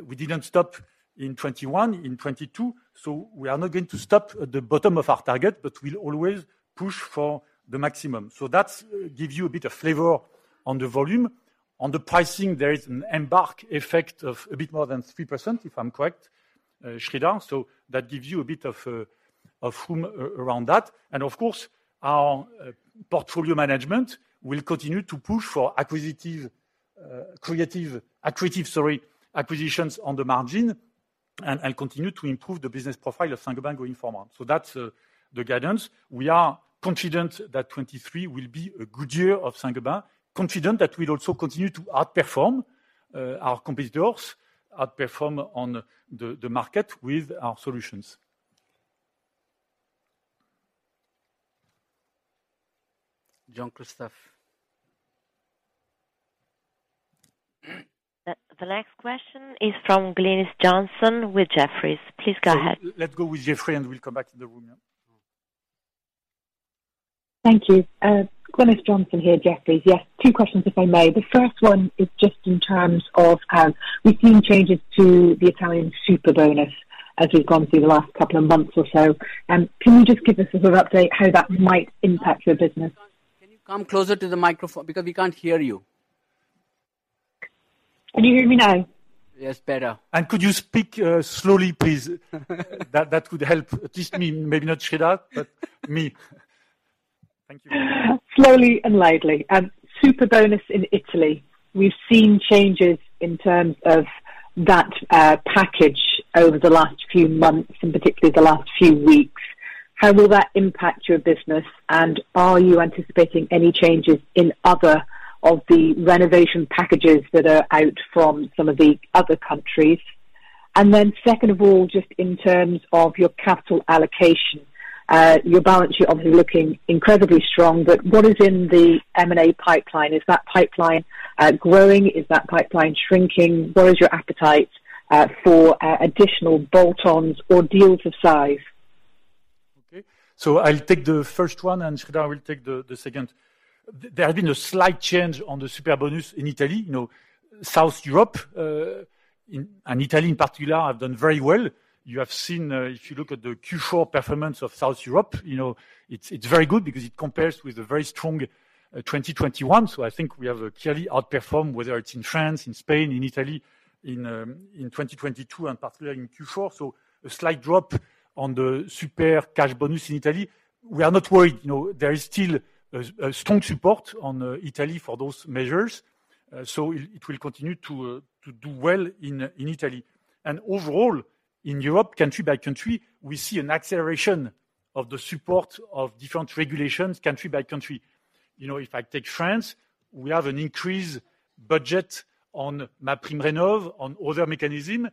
We didn't stop in 2021, in 2022, so we are not going to stop at the bottom of our target, but we'll always push for the maximum. That gives you a bit of flavor on the volume. On the pricing, there is an embark effect of a bit more than 3%, if I'm correct, Sreedhar, that gives you a bit of room around that. Of course, our portfolio management will continue to push for acquisitive, accretive, sorry, acquisitions on the margin and continue to improve the business profile of Saint-Gobain going forward. That's the guidance. We are confident that 2023 will be a good year of Saint-Gobain, confident that we'll also continue to outperform our competitors, outperform on the market with our solutions. Jean-Christophe. The next question is from Glynis Johnson with Jefferies. Please go ahead. Let's go with Jefferies, and we'll come back to the room. Yeah. Thank you. Glynis Johnson here, Jefferies. Yes, two questions if I may. The first one is just in terms of how we've seen changes to the Italian Superbonus as we've gone through the last couple of months or so. Can you just give us a sort of update how that might impact your business? Can you come closer to the microphone? Because we can't hear you. Can you hear me now? Yes, better. Could you speak, slowly, please? That could help at least me, maybe not Sreedhar, but me. Thank you. Slowly and loudly. Superbonus in Italy. We've seen changes in terms of that package over the last few months and particularly the last few weeks. How will that impact your business, and are you anticipating any changes in of the renovation packages that are out from some of the other countries? Then second of all, just in terms of your capital allocation, your balance sheet obviously looking incredibly strong, but what is in the M&A pipeline? Is that pipeline growing? Is that pipeline shrinking? What is your appetite for additional bolt-ons or deals of size? Okay. I'll take the first one, and Sreedhar will take the second. There have been a slight change on the Superbonus in Italy. You know, South Europe, and Italy, in particular, have done very well. You have seen, if you look at the Q4 performance of South Europe, you know, it's very good because it compares with a very strong 2021. I think we have clearly outperformed, whether it's in France, in Spain, in Italy, in 2022 and particularly in Q4. A slight drop on the Superbonus in Italy. We are not worried. You know, there is still a strong support on Italy for those measures. It will continue to do well in Italy. Overall, in Europe, country by country, we see an acceleration of the support of different regulations country by country. You know, if I take France, we have an increased budget on MaPrimeRénov', on other mechanism.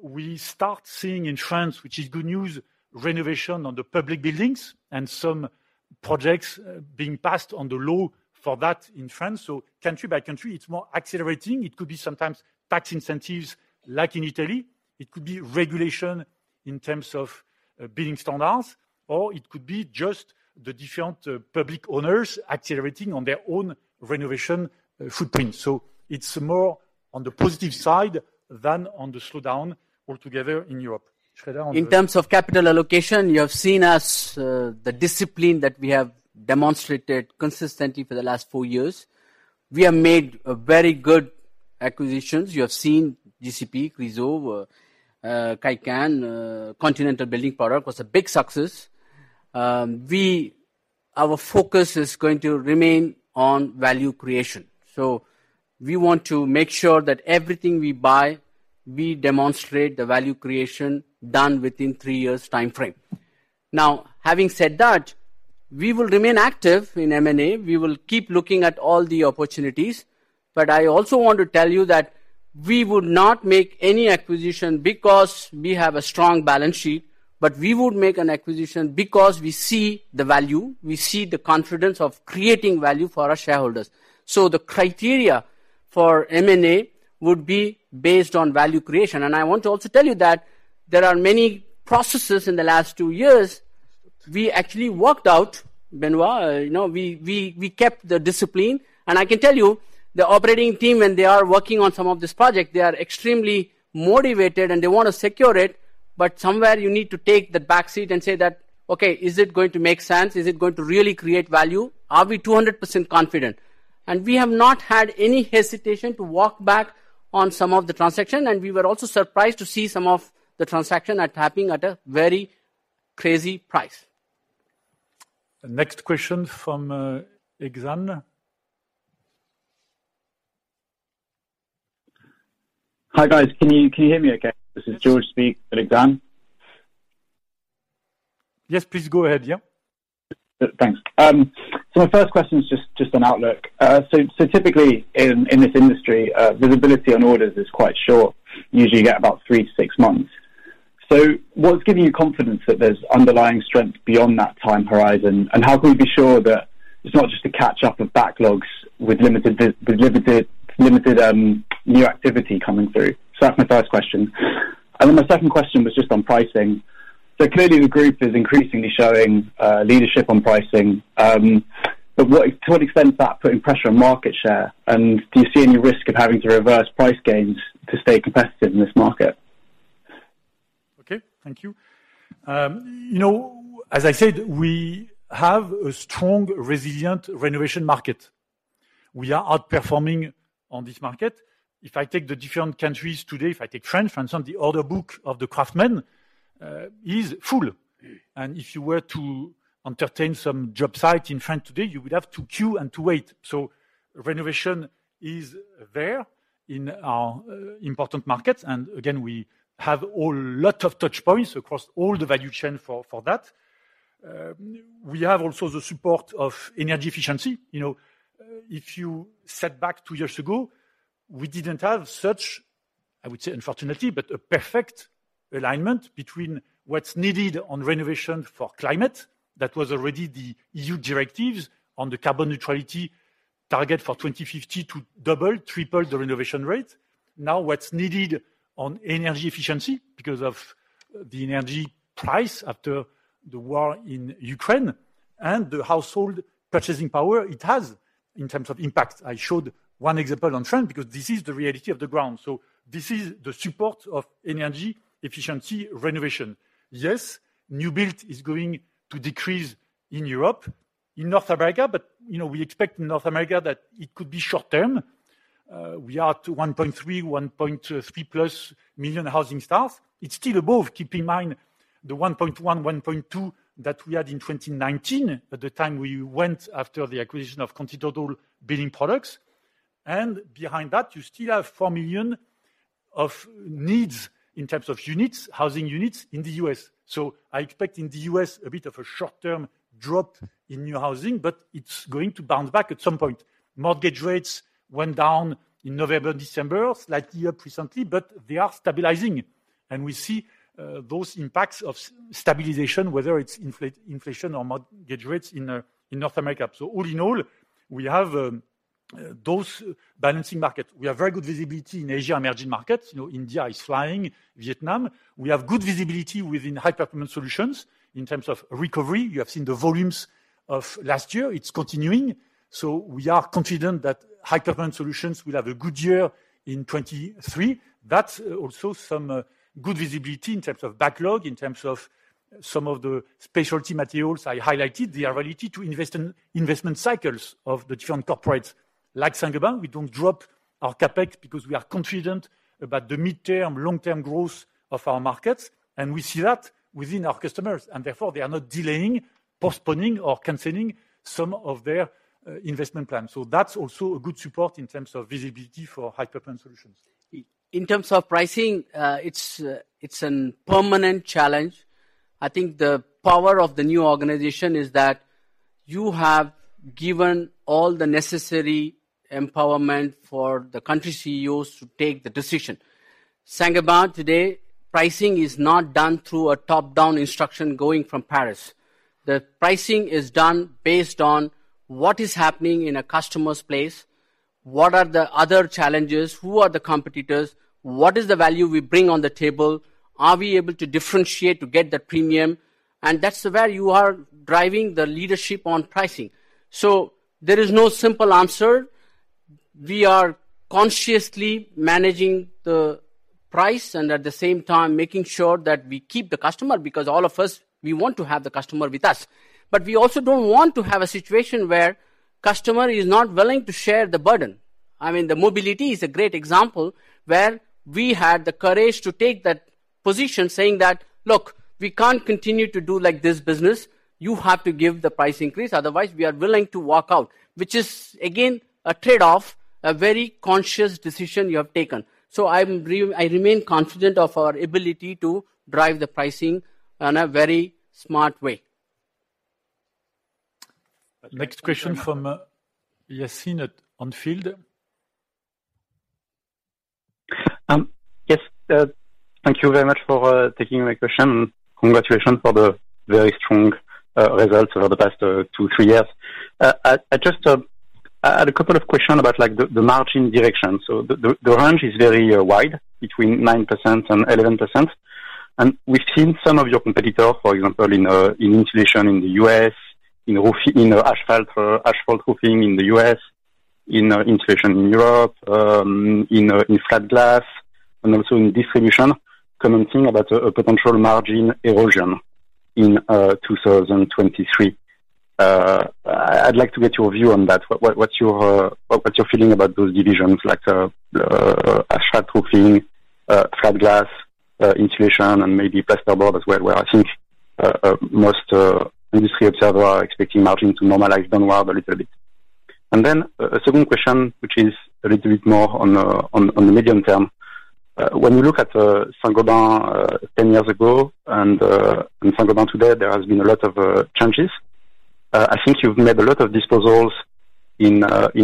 We start seeing in France, which is good news, renovation on the public buildings and some projects being passed on the law for that in France. Country by country, it's more accelerating. It could be sometimes tax incentives like in Italy. It could be regulation in terms of building standards, or it could be just the different public owners accelerating on their own renovation footprint. It's more on the positive side than on the slowdown altogether in Europe. Shraddha on the- In terms of capital allocation, you have seen us the discipline that we have demonstrated consistently for the last 4 years. We have made very good acquisitions. You have seen GCP, Chryso, Kaycan, Continental Building Products was a big success. Our focus is going to remain on value creation. We want to make sure that everything we buy, we demonstrate the value creation done within 3 years timeframe. Having said that, we will remain active in M&A. We will keep looking at all the opportunities. I also want to tell you that we would not make any acquisition because we have a strong balance sheet, but we would make an acquisition because we see the value, we see the confidence of creating value for our shareholders. The criteria for M&A would be based on value creation. I want to also tell you that there are many processes in the last two years we actually worked out, Benoit, you know. We kept the discipline. I can tell you, the operating team, when they are working on some of this project, they are extremely motivated, and they wanna secure it. Somewhere you need to take the backseat and say that, "Okay, is it going to make sense? Is it going to really create value? Are we 200% confident?" We have not had any hesitation to walk back on some of the transaction, and we were also surprised to see some of the transaction at happening at a very crazy price. The next question from Exane. Hi, guys. Can you hear me okay? This is George speaking at Exane. Yes, please go ahead. Yeah. Thanks. My first question is just on outlook. Typically in this industry, visibility on orders is quite short. Usually, you get about three to six months. What's giving you confidence that there's underlying strength beyond that time horizon? How can we be sure that it's not just a catch-up of backlogs with limited new activity coming through? That's my first question. Then my second question was just on pricing. Clearly, the group is increasingly showing leadership on pricing. To what extent is that putting pressure on market share, and do you see any risk of having to reverse price gains to stay competitive in this market? Okay, thank you. You know, as I said, we have a strong, resilient renovation market. We are outperforming on this market. If I take the different countries today, if I take France, for instance, the order book of the craftsmen is full. If you were to entertain some job site in France today, you would have to queue and to wait. Renovation is there in our important markets. Again, we have a lot of touchpoints across all the value chain for that. We have also the support of energy efficiency. You know, if you set back two years ago, we didn't have such, I would say, unfortunately, but a perfect alignment between what's needed on renovation for climate. That was already the EU directives on the carbon neutrality target for 2050 to double, triple the renovation rate. What's needed on energy efficiency because of the energy price after the war in Ukraine and the household purchasing power it has in terms of impact. I showed one example on France because this is the reality of the ground. This is the support of energy efficiency renovation. Yes, new build is going to decrease in Europe. In North America, you know, we expect North America that it could be short-term. We are to 1.3, 1.3+ million housing starts. It's still above, keep in mind, the 1.1.2 that we had in 2019 at the time we went after the acquisition of Continental Building Products. Behind that, you still have 4 million of needs in terms of units, housing units in the U.S. I expect in the U.S. a bit of a short-term drop in new housing, but it's going to bounce back at some point. Mortgage rates went down in November, December, slightly up recently, but they are stabilizing. We see those impacts of stabilization, whether it's inflation or mortgage rates in North America. All in all, we have those balancing market. We have very good visibility in Asia emerging markets. You know, India is flying, Vietnam. We have good visibility within High Performance Solutions in terms of recovery. You have seen the volumes of last year, it's continuing. We are confident that High Performance Solutions will have a good year in 2023. That's also some good visibility in terms of backlog, in terms of some of the specialty materials I highlighted. They are related to invest in investment cycles of the different corporates. Like Saint-Gobain, we don't drop our CapEx because we are confident about the midterm, long-term growth of our markets, and we see that within our customers. Therefore, they are not delaying, postponing or canceling some of their investment plans. That's also a good support in terms of visibility for High Performance Solutions. In terms of pricing, it's a permanent challenge. I think the power of the new organization is that you have given all the necessary empowerment for the country CEOs to take the decision. Saint-Gobain today, pricing is not done through a top-down instruction going from Paris. The pricing is done based on what is happening in a customer's place. What are the other challenges? Who are the competitors? What is the value we bring on the table? Are we able to differentiate to get that premium? That's where you are driving the leadership on pricing. There is no simple answer. We are consciously managing the price and at the same time making sure that we keep the customer because all of us, we want to have the customer with us. We also don't want to have a situation where customer is not willing to share the burden. I mean, the mobility is a great example where we had the courage to take that position saying that, "Look, we can't continue to do like this business. You have to give the price increase, otherwise we are willing to walk out." Which is again, a trade-off, a very conscious decision you have taken. I remain confident of our ability to drive the pricing in a very smart way. Next question from Yasin at Onfield. Yes, thank you very much for taking my question. Congratulations for the very strong results over the past two, three years. I just had a couple of questions about like the margin direction. The range is very wide between 9% and 11%. We've seen some of your competitors, for example, in insulation in the U.S., in asphalt roofing in the U.S., in insulation in Europe, in flat glass and also in distribution, commenting about a potential margin erosion in 2023. I'd like to get your view on that. What's your feeling about those divisions like asphalt roofing, flat glass, insulation and maybe plasterboard as well, where I think most industry observer are expecting margin to normalize downward a little bit? A second question, which is a little bit more on the medium term. When you look at Saint-Gobain 10 years ago and Saint-Gobain today, there has been a lot of changes. I think you've made a lot of disposals in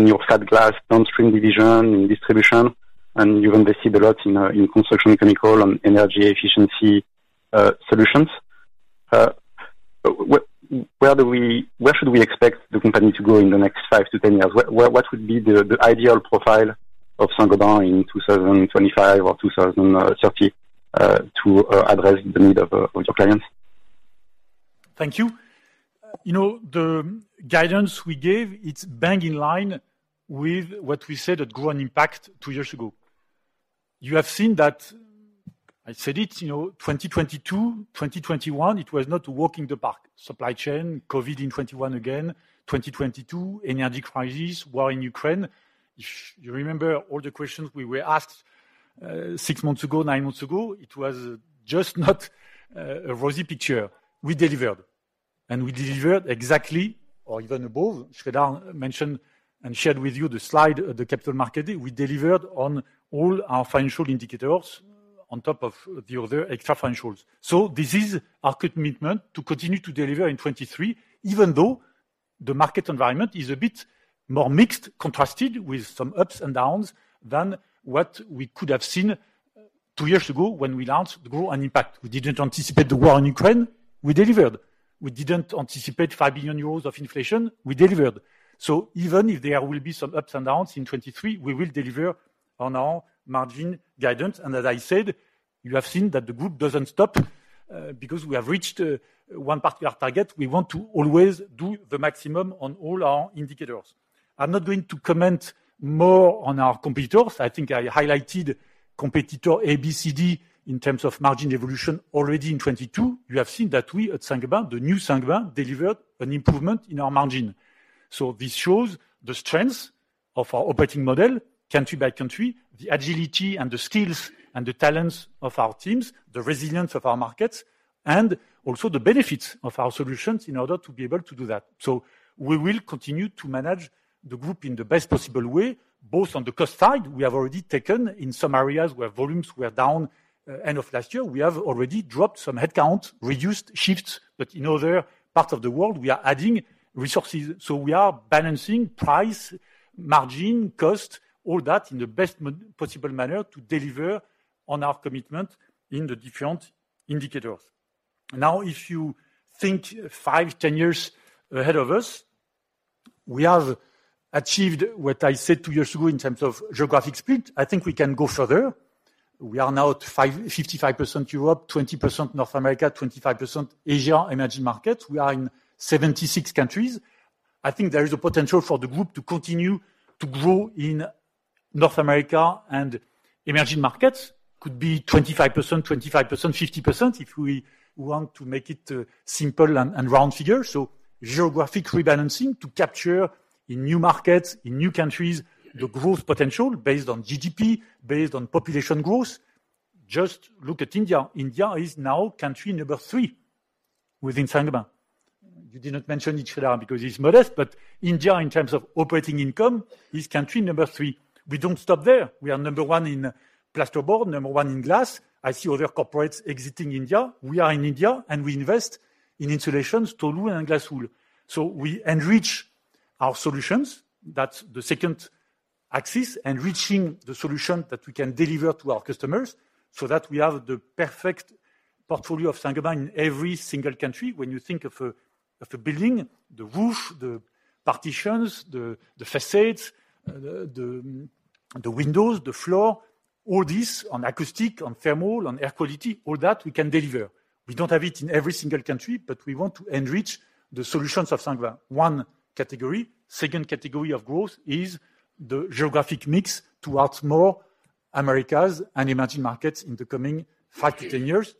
your flat glass downstream division, in distribution, and you invested a lot in Construction Chemicals and energy efficiency solutions. Where should we expect the company to go in the next 5 to 10 years? What would be the ideal profile of Saint-Gobain in 2025 or 2030 to address the need of your clients? Thank you. You know, the guidance we gave, it's bang in line with what we said at Grow & Impact 2 years ago. You have seen that, I said it, you know, 2022, 2021, it was not a walk in the park. Supply chain, COVID in 2021 again. 2022, energy crisis, war in Ukraine. If you remember all the questions we were asked, 6 months ago, 9 months ago, it was just not a rosy picture. We delivered, we delivered exactly or even above. Sridhar mentioned and shared with you the slide at the capital market. We delivered on all our financial indicators on top of the other extra financials. This is our commitment to continue to deliver in 2023, even though the market environment is a bit more mixed, contrasted with some ups and downs than what we could have seen two years ago when we launched Grow & Impact. We didn't anticipate the war in Ukraine. We delivered. We didn't anticipate 5 billion euros of inflation. We delivered. Even if there will be some ups and downs in 2023, we will deliver on our margin guidance. As I said, you have seen that the group doesn't stop because we have reached one particular target. We want to always do the maximum on all our indicators. I'm not going to comment more on our competitors. I think I highlighted competitor A, B, C, D in terms of margin evolution already in 2022. You have seen that we at Saint-Gobain, the new Saint-Gobain, delivered an improvement in our margin. This shows the strength of our operating model country by country, the agility and the skills and the talents of our teams, the resilience of our markets. And also the benefits of our solutions in order to be able to do that. We will continue to manage the group in the best possible way, both on the cost side, we have already taken in some areas where volumes were down end of last year. We have already dropped some headcount, reduced shifts, but in other parts of the world, we are adding resources. We are balancing price, margin, cost, all that in the best possible manner to deliver on our commitment in the different indicators. If you think 5, 10 years ahead of us, we have achieved what I said 2 years ago in terms of geographic split. I think we can go further. We are now at 55% Europe, 20% North America, 25% Asia, emerging markets. We are in 76 countries. I think there is a potential for the group to continue to grow in North America and emerging markets. Could be 25%, 25%, 50%, if we want to make it simple and round figure. Geographic rebalancing to capture in new markets, in new countries, the growth potential based on GDP, based on population growth. Just look at India. India is now country number 3 within Saint-Gobain. We did not mention each other because it's modest, but India in terms of operating income, is country number 3. We don't stop there. We are number 1 in plasterboard, number 1 in glass. I see other corporates exiting India. We are in India, and we invest in insulations, Isover and glass wool. We enrich our solutions. That's the second axis, enriching the solution that we can deliver to our customers, so that we have the perfect portfolio of Saint-Gobain in every single country. When you think of a building, the roof, the partitions, the facades, the windows, the floor, all this on acoustic, on thermal, on air quality, all that we can deliver. We don't have it in every single country, but we want to enrich the solutions of Saint-Gobain. 1 category. Second category of growth is the geographic mix towards more Americas and emerging markets in the coming 5-10 years.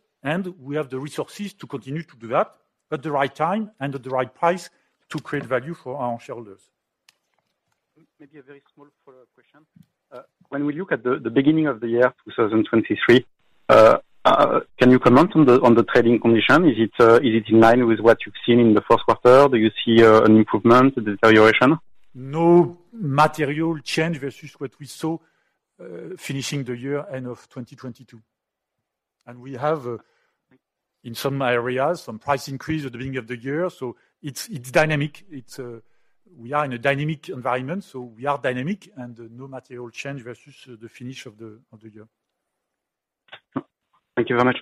We have the resources to continue to do that at the right time and at the right price to create value for our shareholders. Maybe a very small follow-up question. When we look at the beginning of the year, 2023, can you comment on the trading condition? Is it in line with what you've seen in the first quarter? Do you see an improvement, a deterioration? No material change versus what we saw finishing the year end of 2022. We have in some areas, some price increase at the beginning of the year. It's dynamic. We are in a dynamic environment. We are dynamic and no material change versus the finish of the year. Thank you very much.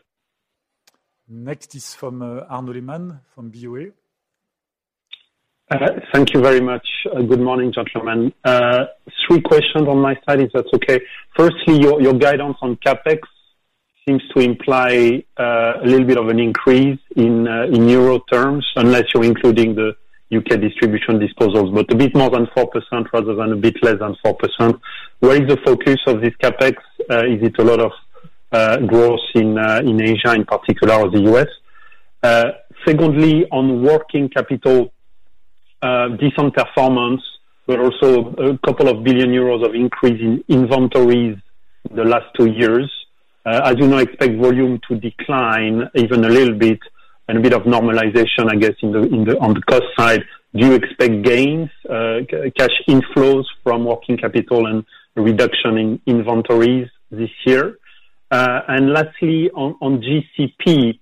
Next is from, Arnold Man from BofA. Thank you very much. Good morning, gentlemen. Three questions on my side, if that's okay. Firstly, your guidance on CapEx seems to imply a little bit of an increase in euro terms, unless you're including the UK distribution disposals, but a bit more than 4% rather than a bit less than 4%. Where is the focus of this CapEx? Is it a lot of growth in Asia, in particular the US? Secondly, on working capital, different performance, but also a couple of billion EUR of increase in inventories the last two years. As you now expect volume to decline even a little bit and a bit of normalization, I guess, on the cost side. Do you expect gains, cash inflows from working capital and reduction in inventories this year? Lastly, on GCP,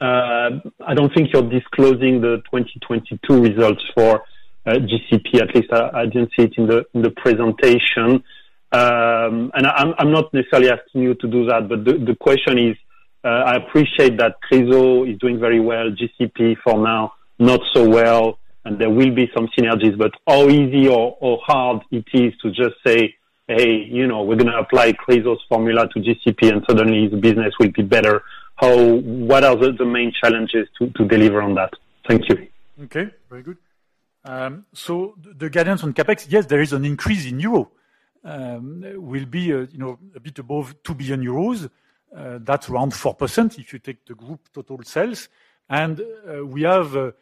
I don't think you're disclosing the 2022 results for GCP, at least, I didn't see it in the presentation. I'm not necessarily asking you to do that, but the question is, I appreciate that Chryso is doing very well, GCP for now not so well, and there will be some synergies, but how easy or hard it is to just say, "Hey, you know, we're gonna apply Chryso's formula to GCP, and suddenly the business will be better." What are the main challenges to deliver on that? Thank you. The guidance on CapEx, yes, there is an increase in euro, will be, you know, a bit above 2 billion euros. That's around 4% if you take the group total sales. We have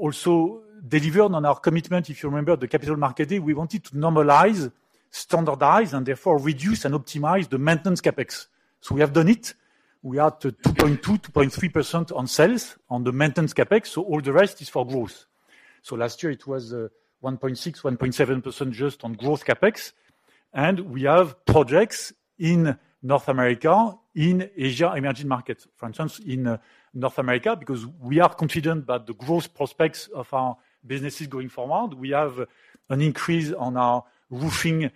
also delivered on our commitment. If you remember the Capital Markets Day, we wanted to normalize, standardize, and therefore reduce and optimize the maintenance CapEx. We have done it. We are at 2.2%-2.3% on sales on the maintenance CapEx, so all the rest is for growth. Last year it was 1.6%-1.7% just on growth CapEx. We have projects in North America, in Asia, emerging markets. For instance, in North America, because we are confident about the growth prospects of our businesses going forward, we have an increase on our roofing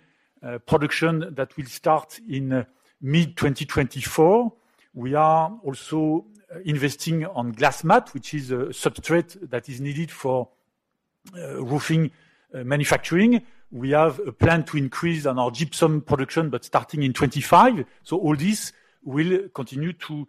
production that will start in mid-2024. We are also investing on glass mat, which is a substrate that is needed for roofing manufacturing. We have a plan to increase on our gypsum production, starting in 2025. All this will continue to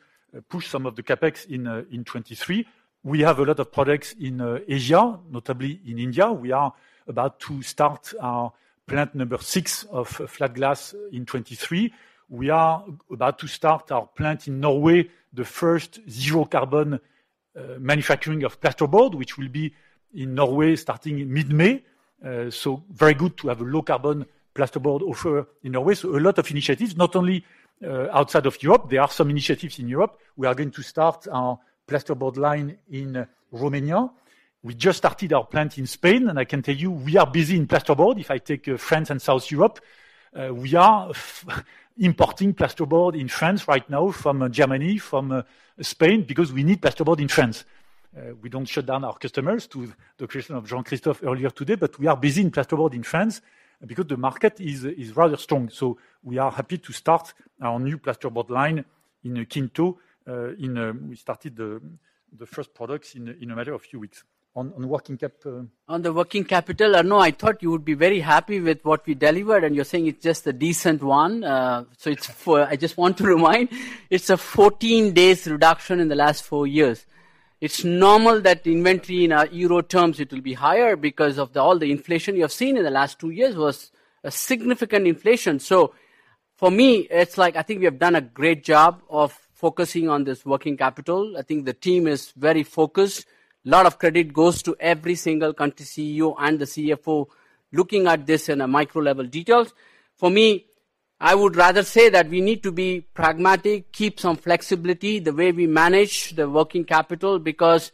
push some of the CapEx in 2023. We have a lot of products in Asia, notably in India. We are about to start our plant number 6 of flat glass in 2023. We are about to start our plant in Norway, the first zero carbon manufacturing of plasterboard, which will be in Norway starting in mid-May. Very good to have a low carbon plasterboard offer in Norway. A lot of initiatives, not only outside of Europe, there are some initiatives in Europe. We are going to start our plasterboard line in Romania. We just started our plant in Spain, and I can tell you we are busy in plasterboard. If I take France and South Europe, we are importing plasterboard in France right now from Germany, from Spain, because we need plasterboard in France. We don't shut down our customers to the question of Jean-Christophe earlier today, but we are busy in plasterboard in France because the market is rather strong. We are happy to start our new plasterboard line in Quinto. We started the first products in a matter of few weeks. On working capital. On the working capital, Arnaud, I thought you would be very happy with what we delivered, and you're saying it's just a decent one. I just want to remind, it's a 14 days reduction in the last 4 years. It's normal that inventory in our euro terms, it will be higher because of the all the inflation you have seen in the last 2 years was a significant inflation. For me, it's like I think we have done a great job of focusing on this working capital. I think the team is very focused. A lot of credit goes to every single country CEO and the CFO looking at this in a micro level details. For me, I would rather say that we need to be pragmatic, keep some flexibility the way we manage the working capital, because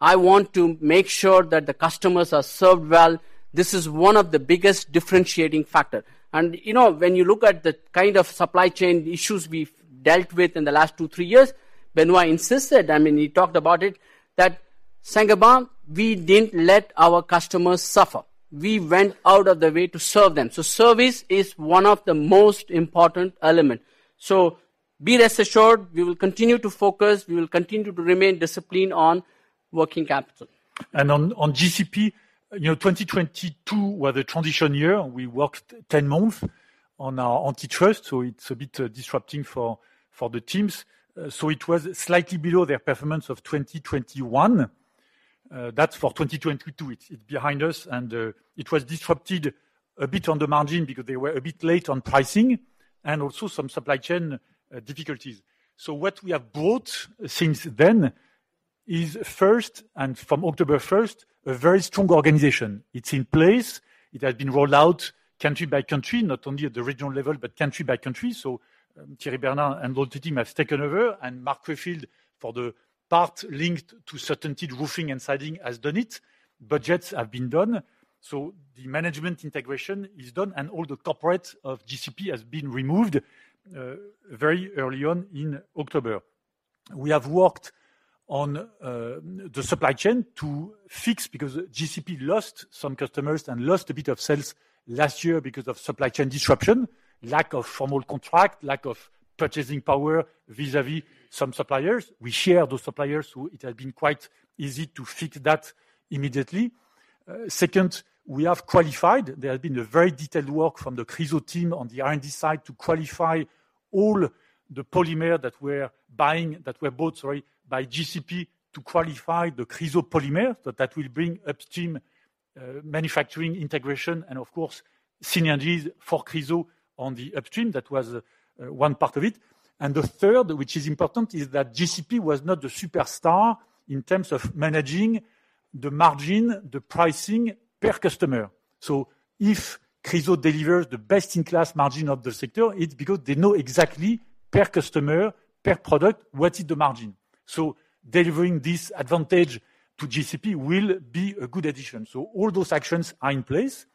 I want to make sure that the customers are served well. This is one of the biggest differentiating factor. You know, when you look at the kind of supply chain issues we've dealt with in the last two, three years, Benoit insisted, I mean, he talked about it, that Saint-Gobain, we didn't let our customers suffer. We went out of the way to serve them. Service is one of the most important element. Be rest assured, we will continue to focus, we will continue to remain disciplined on working capital. On GCP, you know, 2022 was a transition year. We worked 10 months on our antitrust, it's a bit disrupting for the teams. It was slightly below their performance of 2021. That's for 2022. It's behind us. It was disrupted a bit on the margin because they were a bit late on pricing and also some supply chain difficulties. What we have brought since then is first, and from October 1st, a very strong organization. It's in place. It has been rolled out country by country, not only at the regional level, but country by country. Thierry Bernard and the whole team have taken over, and Mark Rayfield, for the part linked to CertainTeed Roofing and Siding has done it. Budgets have been done. The management integration is done and all the corporates of GCP has been removed, very early on in October. We have worked on the supply chain to fix because GCP lost some customers and lost a bit of sales last year because of supply chain disruption, lack of formal contract, lack of purchasing power vis-à-vis some suppliers. We share those suppliers who it has been quite easy to fix that immediately. Second, we have qualified. There has been a very detailed work from the Chryso team on the R&D side to qualify all the polymer that we're buying, that were bought, sorry, by GCP to qualify the Chryso polymer. That will bring upstream manufacturing integration and of course, synergies for Chryso on the upstream. That was one part of it. The third, which is important, is that GCP was not the superstar in terms of managing the margin, the pricing per customer. If Chryso delivers the best in class margin of the sector, it's because they know exactly per customer, per product, what is the margin. Delivering this advantage to GCP will be a good addition. All those actions are in place.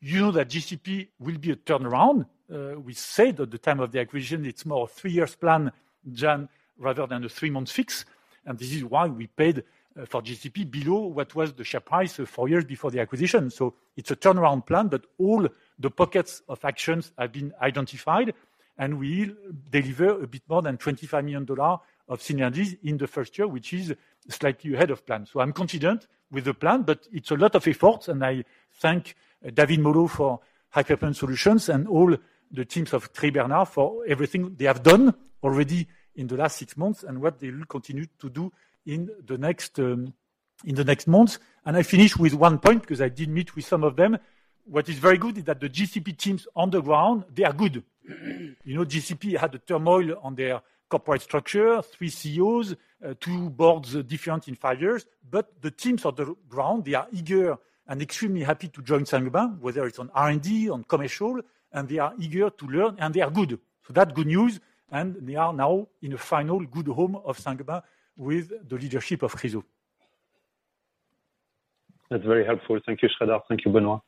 You know that GCP will be a turnaround. We said at the time of the acquisition, it's more a 3 years plan, Jan, rather than a 3-month fix, and this is why we paid for GCP below what was the share price 4 years before the acquisition. It's a turnaround plan, but all the pockets of actions have been identified, and we'll deliver a bit more than $25 million of synergies in the first year, which is slightly ahead of plan. I'm confident with the plan, but it's a lot of efforts, and I thank David Molho for High Performance Solutions and all the teams of Thierry Bernard for everything they have done already in the last 6 months and what they will continue to do in the next months. I finish with 1 point because I did meet with some of them. What is very good is that the GCP teams on the ground, they are good. You know, GCP had a turmoil on their corporate structure, 3 CEOs, 2 boards different in 5 years. The teams on the ground, they are eager and extremely happy to join Saint-Gobain, whether it's on R&D, on commercial, and they are eager to learn, and they are good. That good news. They are now in a final good home of Saint-Gobain with the leadership of Chryso. That's very helpful. Thank you, Sridhar. Thank you, Benoit.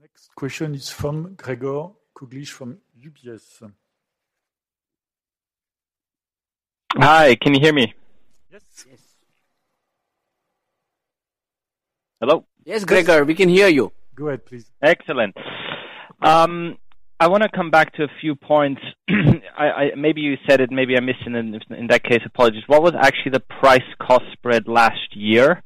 Next question is from Gregor Kuglitsch from UBS. Hi. Can you hear me? Yes. Yes. Hello? Yes, Gregor, we can hear you. Go ahead, please. Excellent. I wanna come back to a few points. I Maybe you said it, maybe I'm missing it. In that case, apologies. What was actually the price-cost spread last year?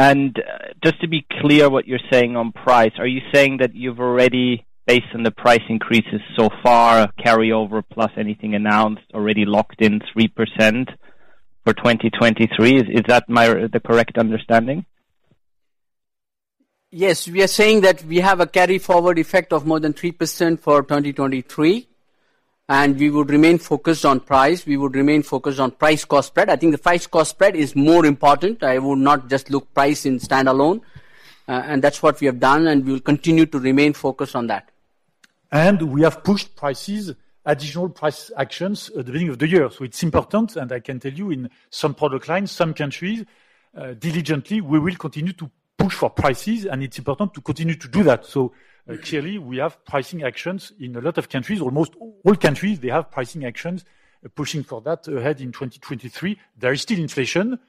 Just to be clear what you're saying on price, are you saying that you've already, based on the price increases so far, carry over plus anything announced, already locked in 3% for 2023? Is that the correct understanding? Yes, we are saying that we have a carry forward effect of more than 3% for 2023, and we would remain focused on price. We would remain focused on price-cost spread. I think the price-cost spread is more important. I would not just look price in standalone. That's what we have done, and we will continue to remain focused on that. We have pushed prices, additional price actions at the beginning of the year. It's important, and I can tell you in some product lines, some countries, diligently, we will continue to push for prices and it's important to continue to do that. Clearly we have pricing actions in a lot of countries. Almost all countries, they have pricing actions. Pushing for that ahead in 2023, there is still inflation,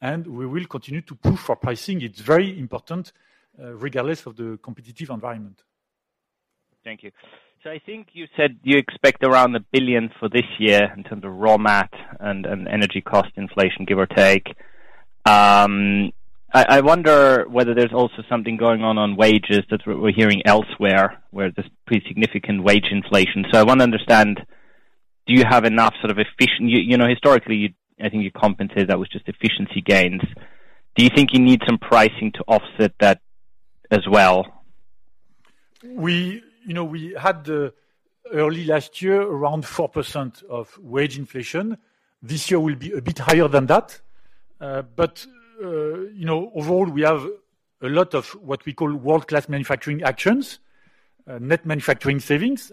and we will continue to push for pricing. It's very important, regardless of the competitive environment. Thank you. I think you said you expect around 1 billion for this year in terms of raw mat and energy cost inflation, give or take. I wonder whether there's also something going on on wages that we're hearing elsewhere, where there's pretty significant wage inflation. I wanna understand, do you have enough sort of efficient. You know, historically, I think you compensated that with just efficiency gains. Do you think you need some pricing to offset that as well? You know, we had early last year, around 4% of wage inflation. This year will be a bit higher than that. You know, overall, we have a lot of what we call World Class Manufacturing actions, net manufacturing savings.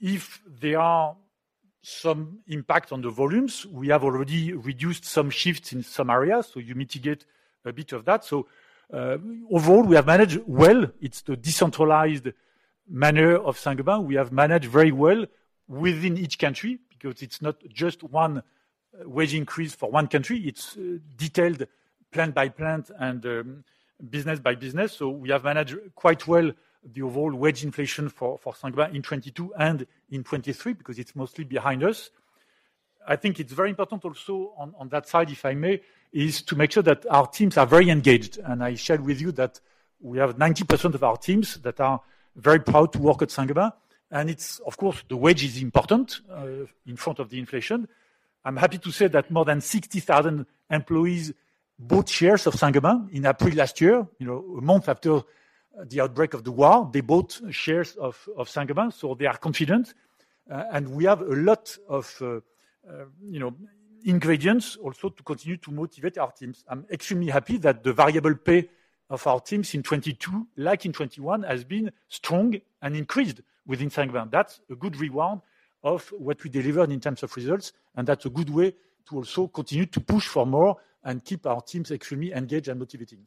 If there are some impact on the volumes, we have already reduced some shifts in some areas, so you mitigate a bit of that. Overall, we have managed well. It's the decentralized manner of Saint-Gobain. We have managed very well within each country because it's not just one wage increase for one country. It's detailed plant by plant and business by business. We have managed quite well the overall wage inflation for Saint-Gobain in 2022 and in 2023, because it's mostly behind us. I think it's very important also on that side, if I may, is to make sure that our teams are very engaged. I shared with you that we have 90% of our teams that are very proud to work at Saint-Gobain. It's of course the wage is important in front of the inflation. I'm happy to say that more than 60,000 employees bought shares of Saint-Gobain in April last year, you know, a month after the outbreak of the war. They bought shares of Saint-Gobain, so they are confident. We have a lot of, you know, ingredients also to continue to motivate our teams. I'm extremely happy that the variable pay of our teams in 2022, like in 2021, has been strong and increased within Saint-Gobain. That's a good reward of what we delivered in terms of results, and that's a good way to also continue to push for more and keep our teams extremely engaged and motivated.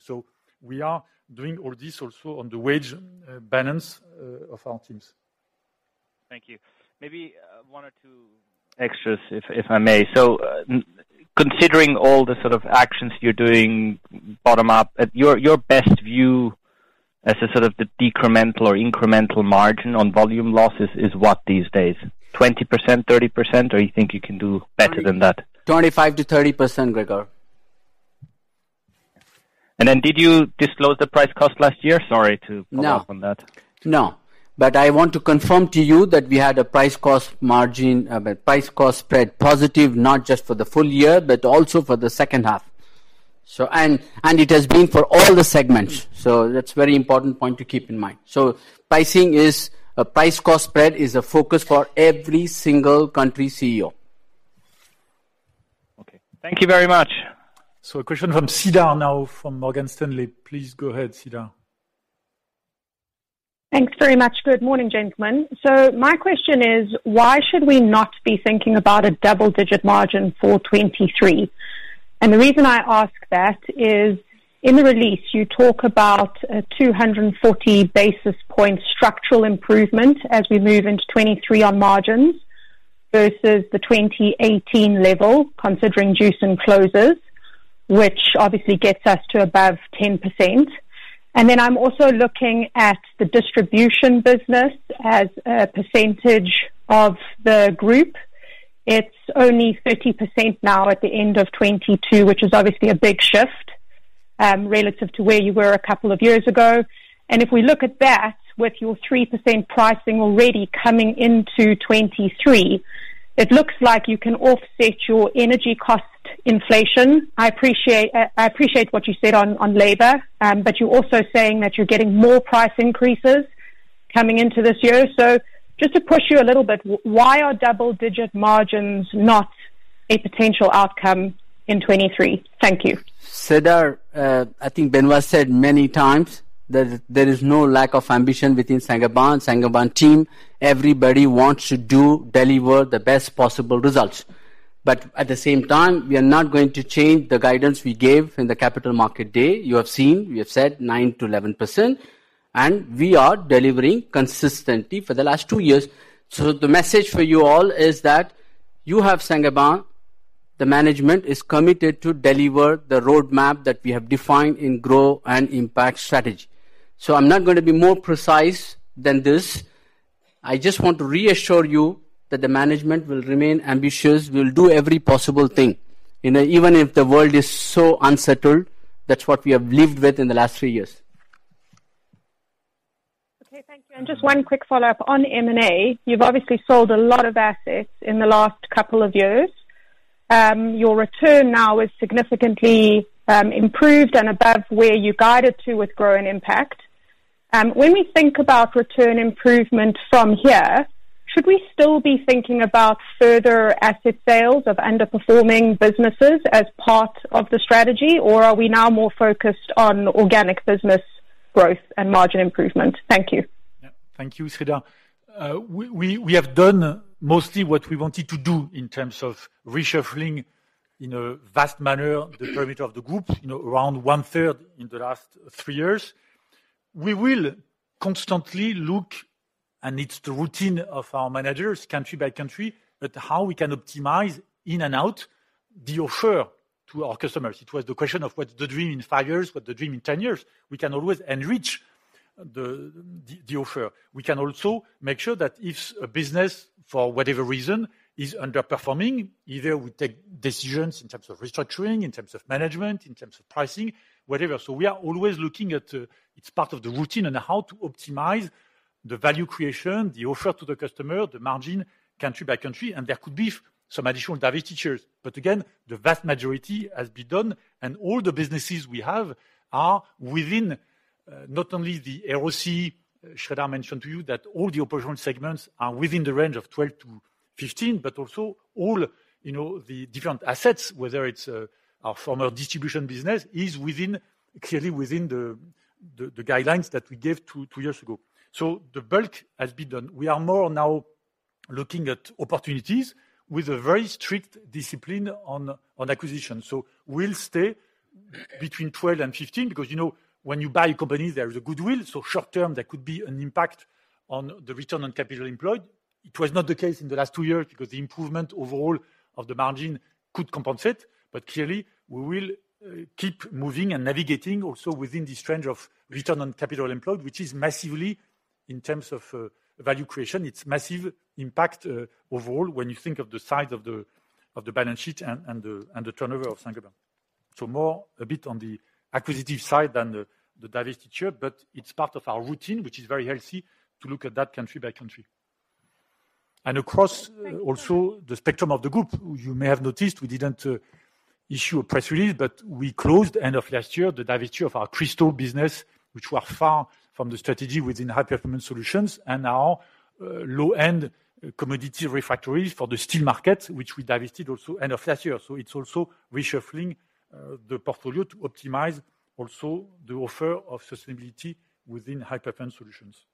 We are doing all this also on the wage balance of our teams. Thank you. Maybe, 1 or 2 extras, if I may. Considering all the sort of actions you're doing bottom up, your best view as to sort of the decremental or incremental margin on volume losses is what these days? 20%? 30%? Or you think you can do better than that? 25%-30%, Gregor. Did you disclose the price cost last year? Sorry to follow up on that. No. No. I want to confirm to you that we had a price-cost spread positive, not just for the full year, but also for the second half. It has been for all the segments. That's very important point to keep in mind. A price-cost spread is a focus for every single country CEO. Okay. Thank you very much. A question from Sidhar now from Morgan Stanley. Please go ahead, Sidhar. Thanks very much. Good morning, gentlemen. My question is, why should we not be thinking about a double-digit margin for 2023? The reason I ask that is, in the release you talk about a 240 basis point structural improvement as we move into 2023 on margins versus the 2018 level, considering juice and closes, which obviously gets us to above 10%. I'm also looking at the distribution business as a percentage of the group. It's only 30% now at the end of 2022, which is obviously a big shift relative to where you were a couple of years ago. If we look at that with your 3% pricing already coming into 2023, it looks like you can offset your energy cost inflation. I appreciate what you said on labor, you're also saying that you're getting more price increases coming into this year. Just to push you a little bit, why are double-digit margins not a potential outcome in 2023? Thank you. Cedar, I think Benoit said many times that there is no lack of ambition within Saint-Gobain. Saint-Gobain team, everybody wants to deliver the best possible results. At the same time, we are not going to change the guidance we gave in the Capital Markets Day. You have seen, we have said 9%-11%, and we are delivering consistently for the last 2 years. The message for you all is that you have Saint-Gobain. The management is committed to deliver the roadmap that we have defined in Grow & Impact strategy. I'm not gonna be more precise than this. I just want to reassure you that the management will remain ambitious. We'll do every possible thing. You know, even if the world is so unsettled, that's what we have lived with in the last 3 years. Okay, thank you. Just 1 quick follow-up on M&A. You've obviously sold a lot of assets in the last couple of years. Your return now is significantly improved and above where you guided to with Grow & Impact. When we think about return improvement from here, should we still be thinking about further asset sales of underperforming businesses as part of the strategy, or are we now more focused on organic business growth and margin improvement? Thank you. Yeah. Thank you, Shraddha. We have done mostly what we wanted to do in terms of reshuffling in a vast manner the perimeter of the group, you know, around one-third in the last three years. We will constantly look, and it's the routine of our managers country by country, at how we can optimize in and out the offer to our customers. It was the question of what's the dream in five years? What the dream in 10 years? We can always enrich the offer. We can also make sure that if a business, for whatever reason, is underperforming, either we take decisions in terms of restructuring, in terms of management, in terms of pricing, whatever. We are always looking at, it's part of the routine on how to optimize the value creation, the offer to the customer, the margin country by country, and there could be some additional divestitures. Again, the vast majority has been done, and all the businesses we have are within, not only the ROC, Sreedhar mentioned to you that all the operational segments are within the range of 12%-15%. Also all, you know, the different assets, whether it's, our former distribution business, is within, clearly within the guidelines that we gave 2 years ago. The bulk has been done. We are more now looking at opportunities with a very strict discipline on acquisition. We'll stay between 12 and 15 because, you know, when you buy a company, there is a goodwill, short-term there could be an impact on the return on capital employed. It was not the case in the last 2 years because the improvement overall of the margin could compensate. Clearly, we will keep moving and navigating also within this range of return on capital employed, which is massively, in terms of value creation, it's massive impact overall when you think of the size of the balance sheet and the turnover of Saint-Gobain. More a bit on the acquisitive side than the divestiture, but it's part of our routine, which is very healthy to look at that country by country. Across also the spectrum of the group, you may have noticed we didn't issue a press release, but we closed end of last year the divestiture of our Crystals business, which were far from the strategy within High Performance Solutions and our low-end commodity refractories for the steel market, which we divested also end of last year. It's also reshuffling the portfolio to optimize also the offer of sustainability within High Performance Solutions.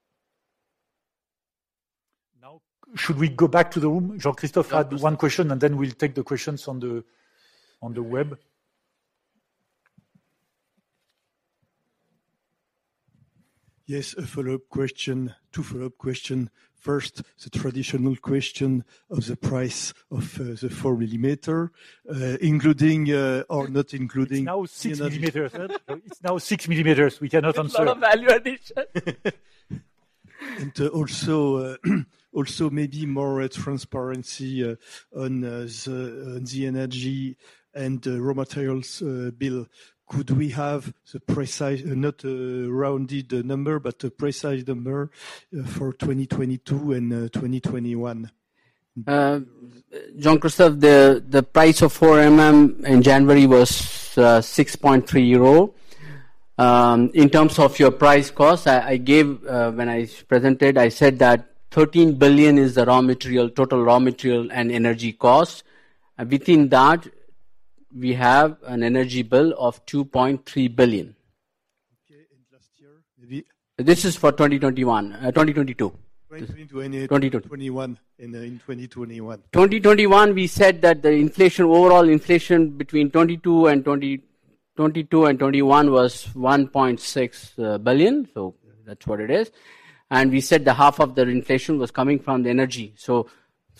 Should we go back to the room? Jean-Christophe had one question, and then we'll take the questions on the web. Yes, a follow-up question. Two follow-up question. First, the traditional question of the price of the 4 millimeter, including, or not including. It's now 6 millimeters. We cannot answer. A lot of value addition. Also maybe more transparency on the energy and raw materials bill. Could we have the precise, not rounded number, but a precise number for 2022 and 2021? Jean-Christophe, the price of 4 MM in January was 6.3 euro. In terms of your price cost, I gave, when I presented, I said that 13 billion is the raw material, total raw material and energy cost. Within that, we have an energy bill of 2.3 billion. Okay. Last year, maybe? This is for twenty twenty-one. Uh, twenty twenty-two. 2022. 2022. And twenty twenty-one. In, uh, in twenty twenty-one. 2021, we said that the inflation, overall inflation between 2022 and 2022 and 2021 was 1.6 billion. That's what it is. We said that half of the inflation was coming from the energy.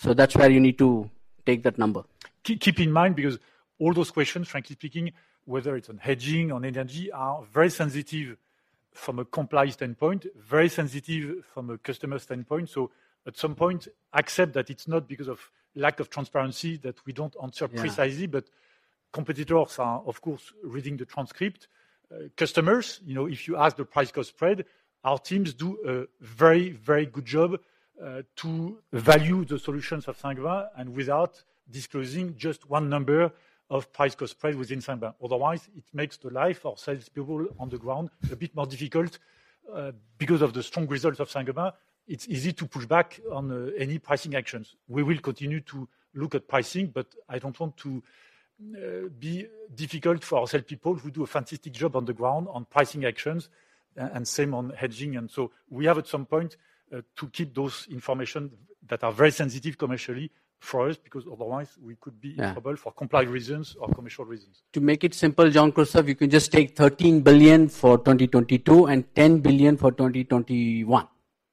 That's where you need to take that number. Keep in mind because all those questions, frankly speaking, whether it's on hedging, on energy, are very sensitive from a compliance standpoint, very sensitive from a customer standpoint. At some point, accept that it's not because of lack of transparency that we don't answer precisely. Yeah. Competitors are, of course, reading the transcript. Customers, you know, if you ask the price cost spread, our teams do a very, very good job to value the solutions of Saint-Gobain and without disclosing just one number of price cost spread within Saint-Gobain. Otherwise, it makes the life of sales people on the ground a bit more difficult. Because of the strong results of Saint-Gobain, it's easy to push back on any pricing actions. We will continue to look at pricing, but I don't want to be difficult for our sales people who do a fantastic job on the ground on pricing actions and same on hedging. We have at some point to keep those information that are very sensitive commercially for us, because otherwise we could be in trouble... Yeah. for compliance reasons or commercial reasons. To make it simple, Jean-Christophe, you can just take 13 billion for 2022 and 10 billion for 2021.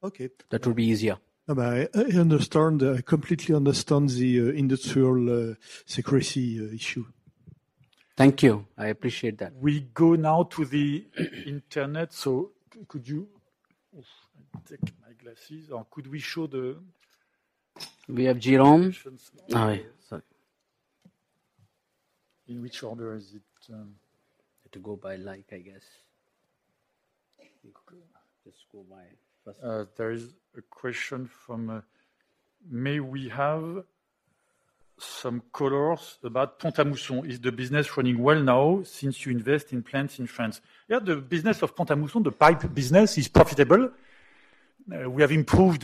Okay. That would be easier. No, I understand. I completely understand the industrial secrecy issue. Thank you. I appreciate that. We go now to the Internet, could you... Let me take my glasses. Could we show. We have Jerome. Oh, sorry. In which order is it? To go by like, I guess. Just go by first. There is a question from, may we have some colors about Pont-à-Mousson. Is the business running well now since you invest in plants in France? Yeah, the business of Pont-à-Mousson, the pipe business is profitable. We have improved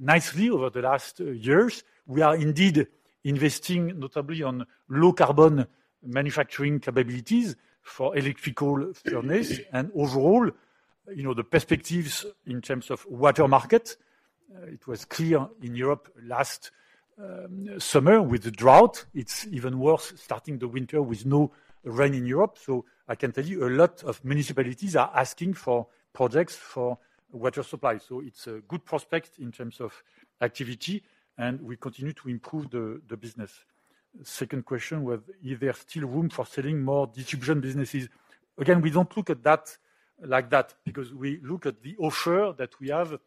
nicely over the last years. We are indeed investing notably on low carbon manufacturing capabilities for electrical furnace. Overall, you know, the perspectives in terms of water market, it was clear in Europe last summer with the drought. It's even worse starting the winter with no rain in Europe. I can tell you a lot of municipalities are asking for projects for water supply. It's a good prospect in terms of activity, and we continue to improve the business. Second question was, is there still room for selling more distribution businesses? We don't look at that like that because we look at the offer that we have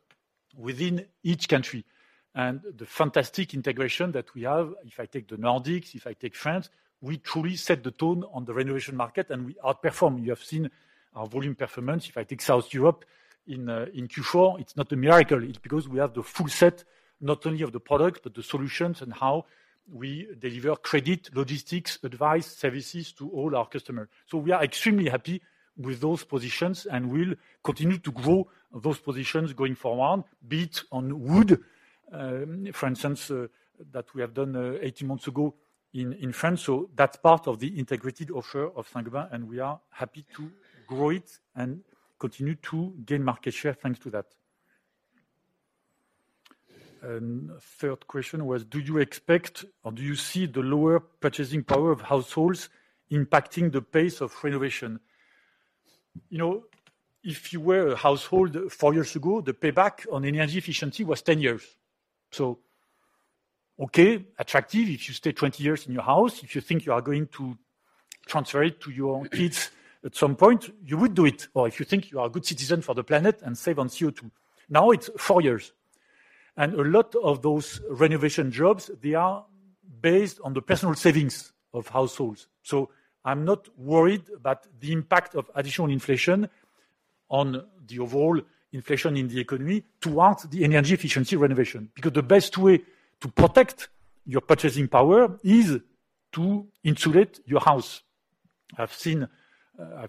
within each country and the fantastic integration that we have. If I take the Nordics, if I take France, we truly set the tone on the renovation market and we outperform. You have seen our volume performance. If I take South Europe in Q4, it's not a miracle. It's because we have the full set, not only of the products but the solutions and how we deliver credit, logistics, advice, services to all our customers. We are extremely happy with those positions, and we'll continue to grow those positions going forward, be it on wood, for instance, that we have done 18 months ago in France. That's part of the integrated offer of Saint-Gobain, and we are happy to grow it and continue to gain market share thanks to that. Third question was, do you expect or do you see the lower purchasing power of households impacting the pace of renovation? You know, if you were a household 4 years ago, the payback on energy efficiency was 10 years. Okay, attractive if you stay 20 years in your house. If you think you are going to transfer it to your kids at some point, you would do it. If you think you are a good citizen for the planet and save on CO2. Now it's 4 years. A lot of those renovation jobs, they are based on the personal savings of households. I'm not worried about the impact of additional inflation on the overall inflation in the economy towards the energy efficiency renovation. The best way to protect your purchasing power is to insulate your house. I've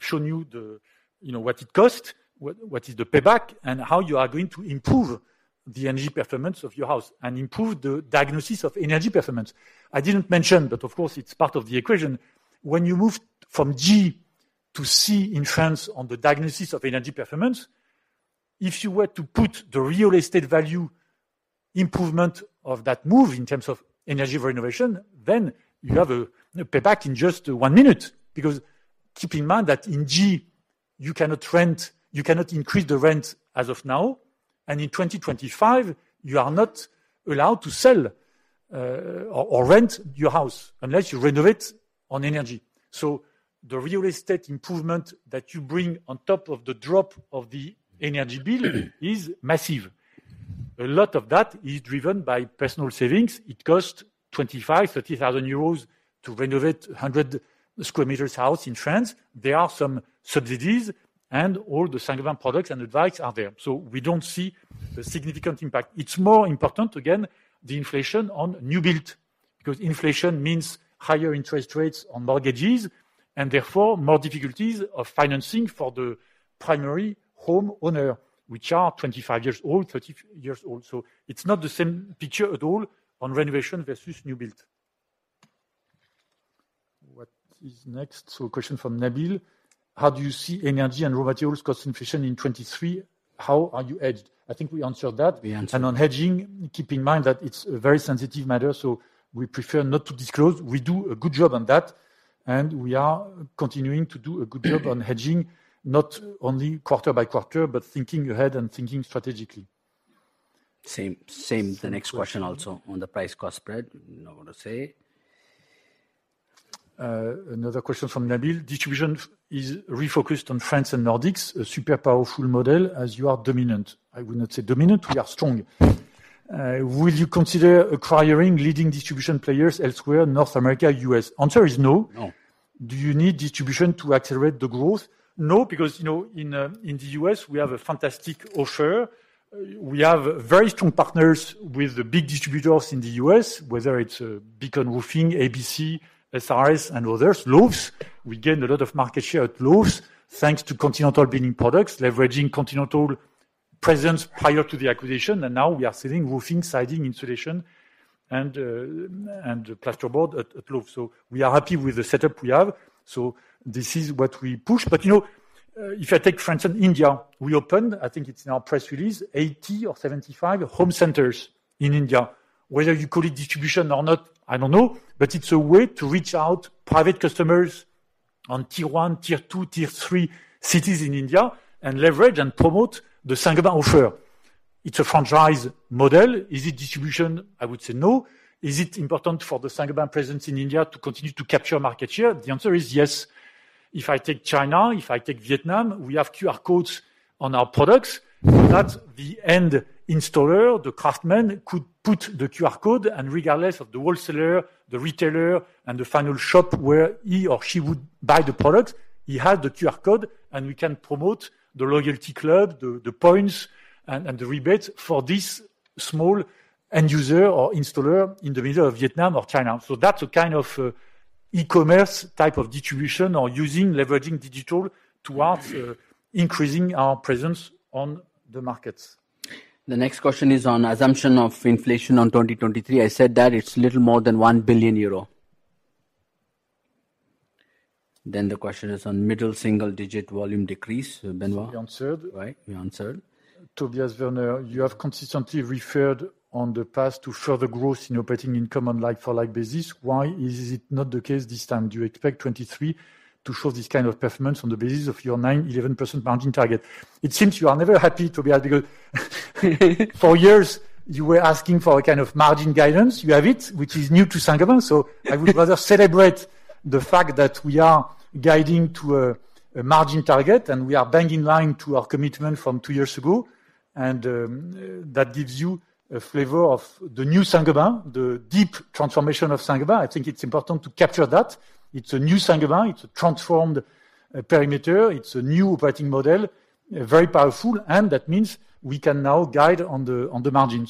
shown you the, you know, what it costs, what is the payback, and how you are going to improve the energy performance of your house and improve the diagnosis of energy performance. I didn't mention, but of course it's part of the equation. When you move from G to C in France on the diagnosis of energy performance, if you were to put the real estate value improvement of that move in terms of energy renovation, then you have a payback in just 1 minute. Keep in mind that in G you cannot increase the rent as of now. In 2025, you are not allowed to sell or rent your house unless you renovate on energy. The real estate improvement that you bring on top of the drop of the energy bill is massive. A lot of that is driven by personal savings. It costs 25,000-30,000 euros to renovate a 100 sq m house in France. There are some subsidies and all the Saint-Gobain products and advice are there. We don't see the significant impact. It's more important, again, the inflation on new build, because inflation means higher interest rates on mortgages and therefore more difficulties of financing for the primary homeowner, which are 25 years old, 30 years old. It's not the same picture at all on renovation versus new build. What is next? A question from Nabil. How do you see energy and raw materials cost inflation in 2023? How are you edged? I think we answered that. We answered. On hedging, keep in mind that it's a very sensitive matter, so we prefer not to disclose. We do a good job on that, and we are continuing to do a good job on hedging, not only quarter by quarter, but thinking ahead and thinking strategically. Same. Same. The next question also on the price-cost spread. I wanna say. Another question from Nabil. Distribution is refocused on France and Nordics, a super powerful model as you are dominant. I would not say dominant. We are strong. Will you consider acquiring leading distribution players elsewhere, North America, US? Answer is no. No. Do you need distribution to accelerate the growth? No, because, you know, in the U.S., we have a fantastic offer. We have very strong partners with the big distributors in the U.S., whether it's Beacon Roofing, ABC, SRS and others, Lowe's. We gained a lot of market share at Lowe's, thanks to Continental Building Products, leveraging Continental presence prior to the acquisition. Now we are selling roofing, siding, insulation and plasterboard at Lowe's. We are happy with the setup we have. This is what we push. You know, if I take France and India, we opened, I think it's in our press release, 80 or 75 home centers in India. Whether you call it distribution or not, I don't know. It's a way to reach out private customers on tier 1, tier 2, tier 3 cities in India and leverage and promote the Saint-Gobain offer. It's a franchise model. Is it distribution? I would say no. Is it important for the Saint-Gobain presence in India to continue to capture market share? The answer is yes. If I take China, if I take Vietnam, we have QR codes on our products. That the end installer, the craftsman, could put the QR code and regardless of the wholesaler, the retailer, and the final shop where he or she would buy the product, he has the QR code, and we can promote the loyalty club, the points and the rebates for this small end user or installer in the middle of Vietnam or China. That's a kind of e-commerce type of distribution or using leveraging digital towards increasing our presence on the markets. The next question is on assumption of inflation on 2023. I said that it's little more than 1 billion euro. The question is on middle single digit volume decrease, Benoit. We answered. Right, we answered. Tobias Werner, you have consistently referred on the past to further growth in operating income on like-for-like basis. Why is it not the case this time? Do you expect 23 to show this kind of performance on the basis of your 9%, 11% margin target? It seems you are never happy, Tobias, because for years, you were asking for a kind of margin guidance. You have it, which is new to Saint-Gobain. I would rather celebrate the fact that we are guiding to a margin target, and we are bang in line to our commitment from 2 years ago. That gives you a flavor of the new Saint-Gobain, the deep transformation of Saint-Gobain. I think it's important to capture that. It's a new Saint-Gobain. It's a transformed perimeter. It's a new operating model, very powerful, and that means we can now guide on the margin.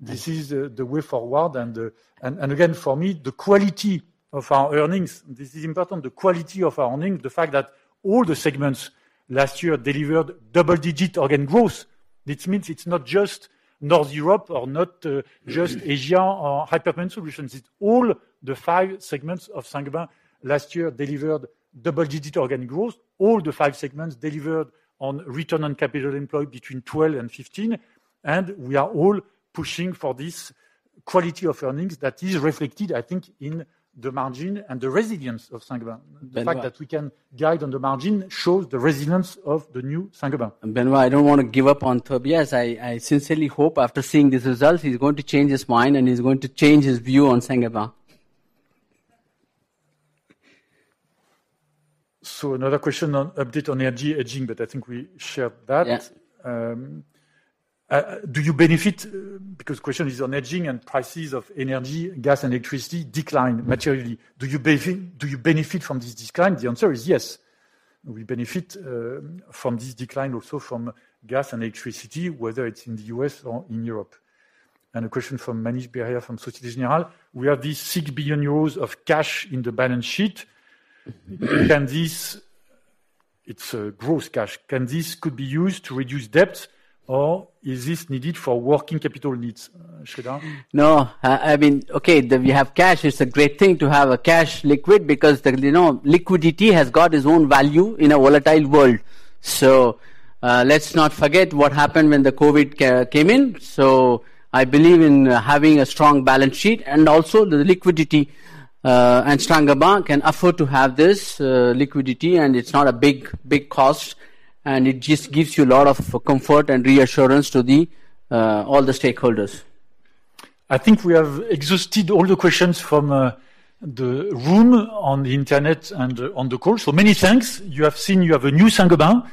This is the way forward. Again, for me, the quality of our earnings, this is important, the quality of our earnings, the fact that all the segments last year delivered double-digit organic growth. This means it's not just North Europe or not just Asia or High Performance Solutions. It's all the five segments of Saint-Gobain last year delivered double-digit organic growth. All the five segments delivered on return on capital employed between 12 and 15. We are all pushing for this quality of earnings that is reflected, I think, in the margin and the resilience of Saint-Gobain. The fact that we can guide on the margin shows the resilience of the new Saint-Gobain. Benoit, I don't wanna give up on Tobias. I sincerely hope after seeing these results, he's going to change his mind and he's going to change his view on Saint-Gobain. Another question on update on energy hedging, but I think we shared that. Yeah. Do you benefit? Because question is on hedging and prices of energy, gas and electricity decline materially. Do you benefit from this decline? The answer is yes. We benefit from this decline also from gas and electricity, whether it's in the US or in Europe. A question from Manish Beria from Société Générale. We have these 6 billion euros of cash in the balance sheet. Can this. It's gross cash. Can this could be used to reduce debt or is this needed for working capital needs? Sridhar? No. I mean, okay, that we have cash. It's a great thing to have a cash liquid because, you know, liquidity has got its own value in a volatile world. Let's not forget what happened when the COVID came in. I believe in having a strong balance sheet and also the liquidity, and Saint-Gobain can afford to have this liquidity, and it's not a big cost, and it just gives you a lot of comfort and reassurance to all the stakeholders. I think we have exhausted all the questions from the room on the internet and on the call. Many thanks. You have seen you have a new Saint-Gobain.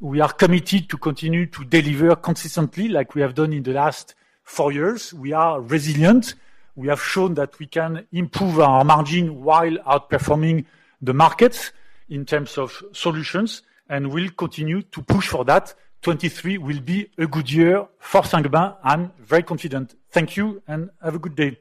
We are committed to continue to deliver consistently like we have done in the last four years. We are resilient. We have shown that we can improve our margin while outperforming the markets in terms of solutions, and we'll continue to push for that. 2023 will be a good year for Saint-Gobain. I'm very confident. Thank you and have a good day.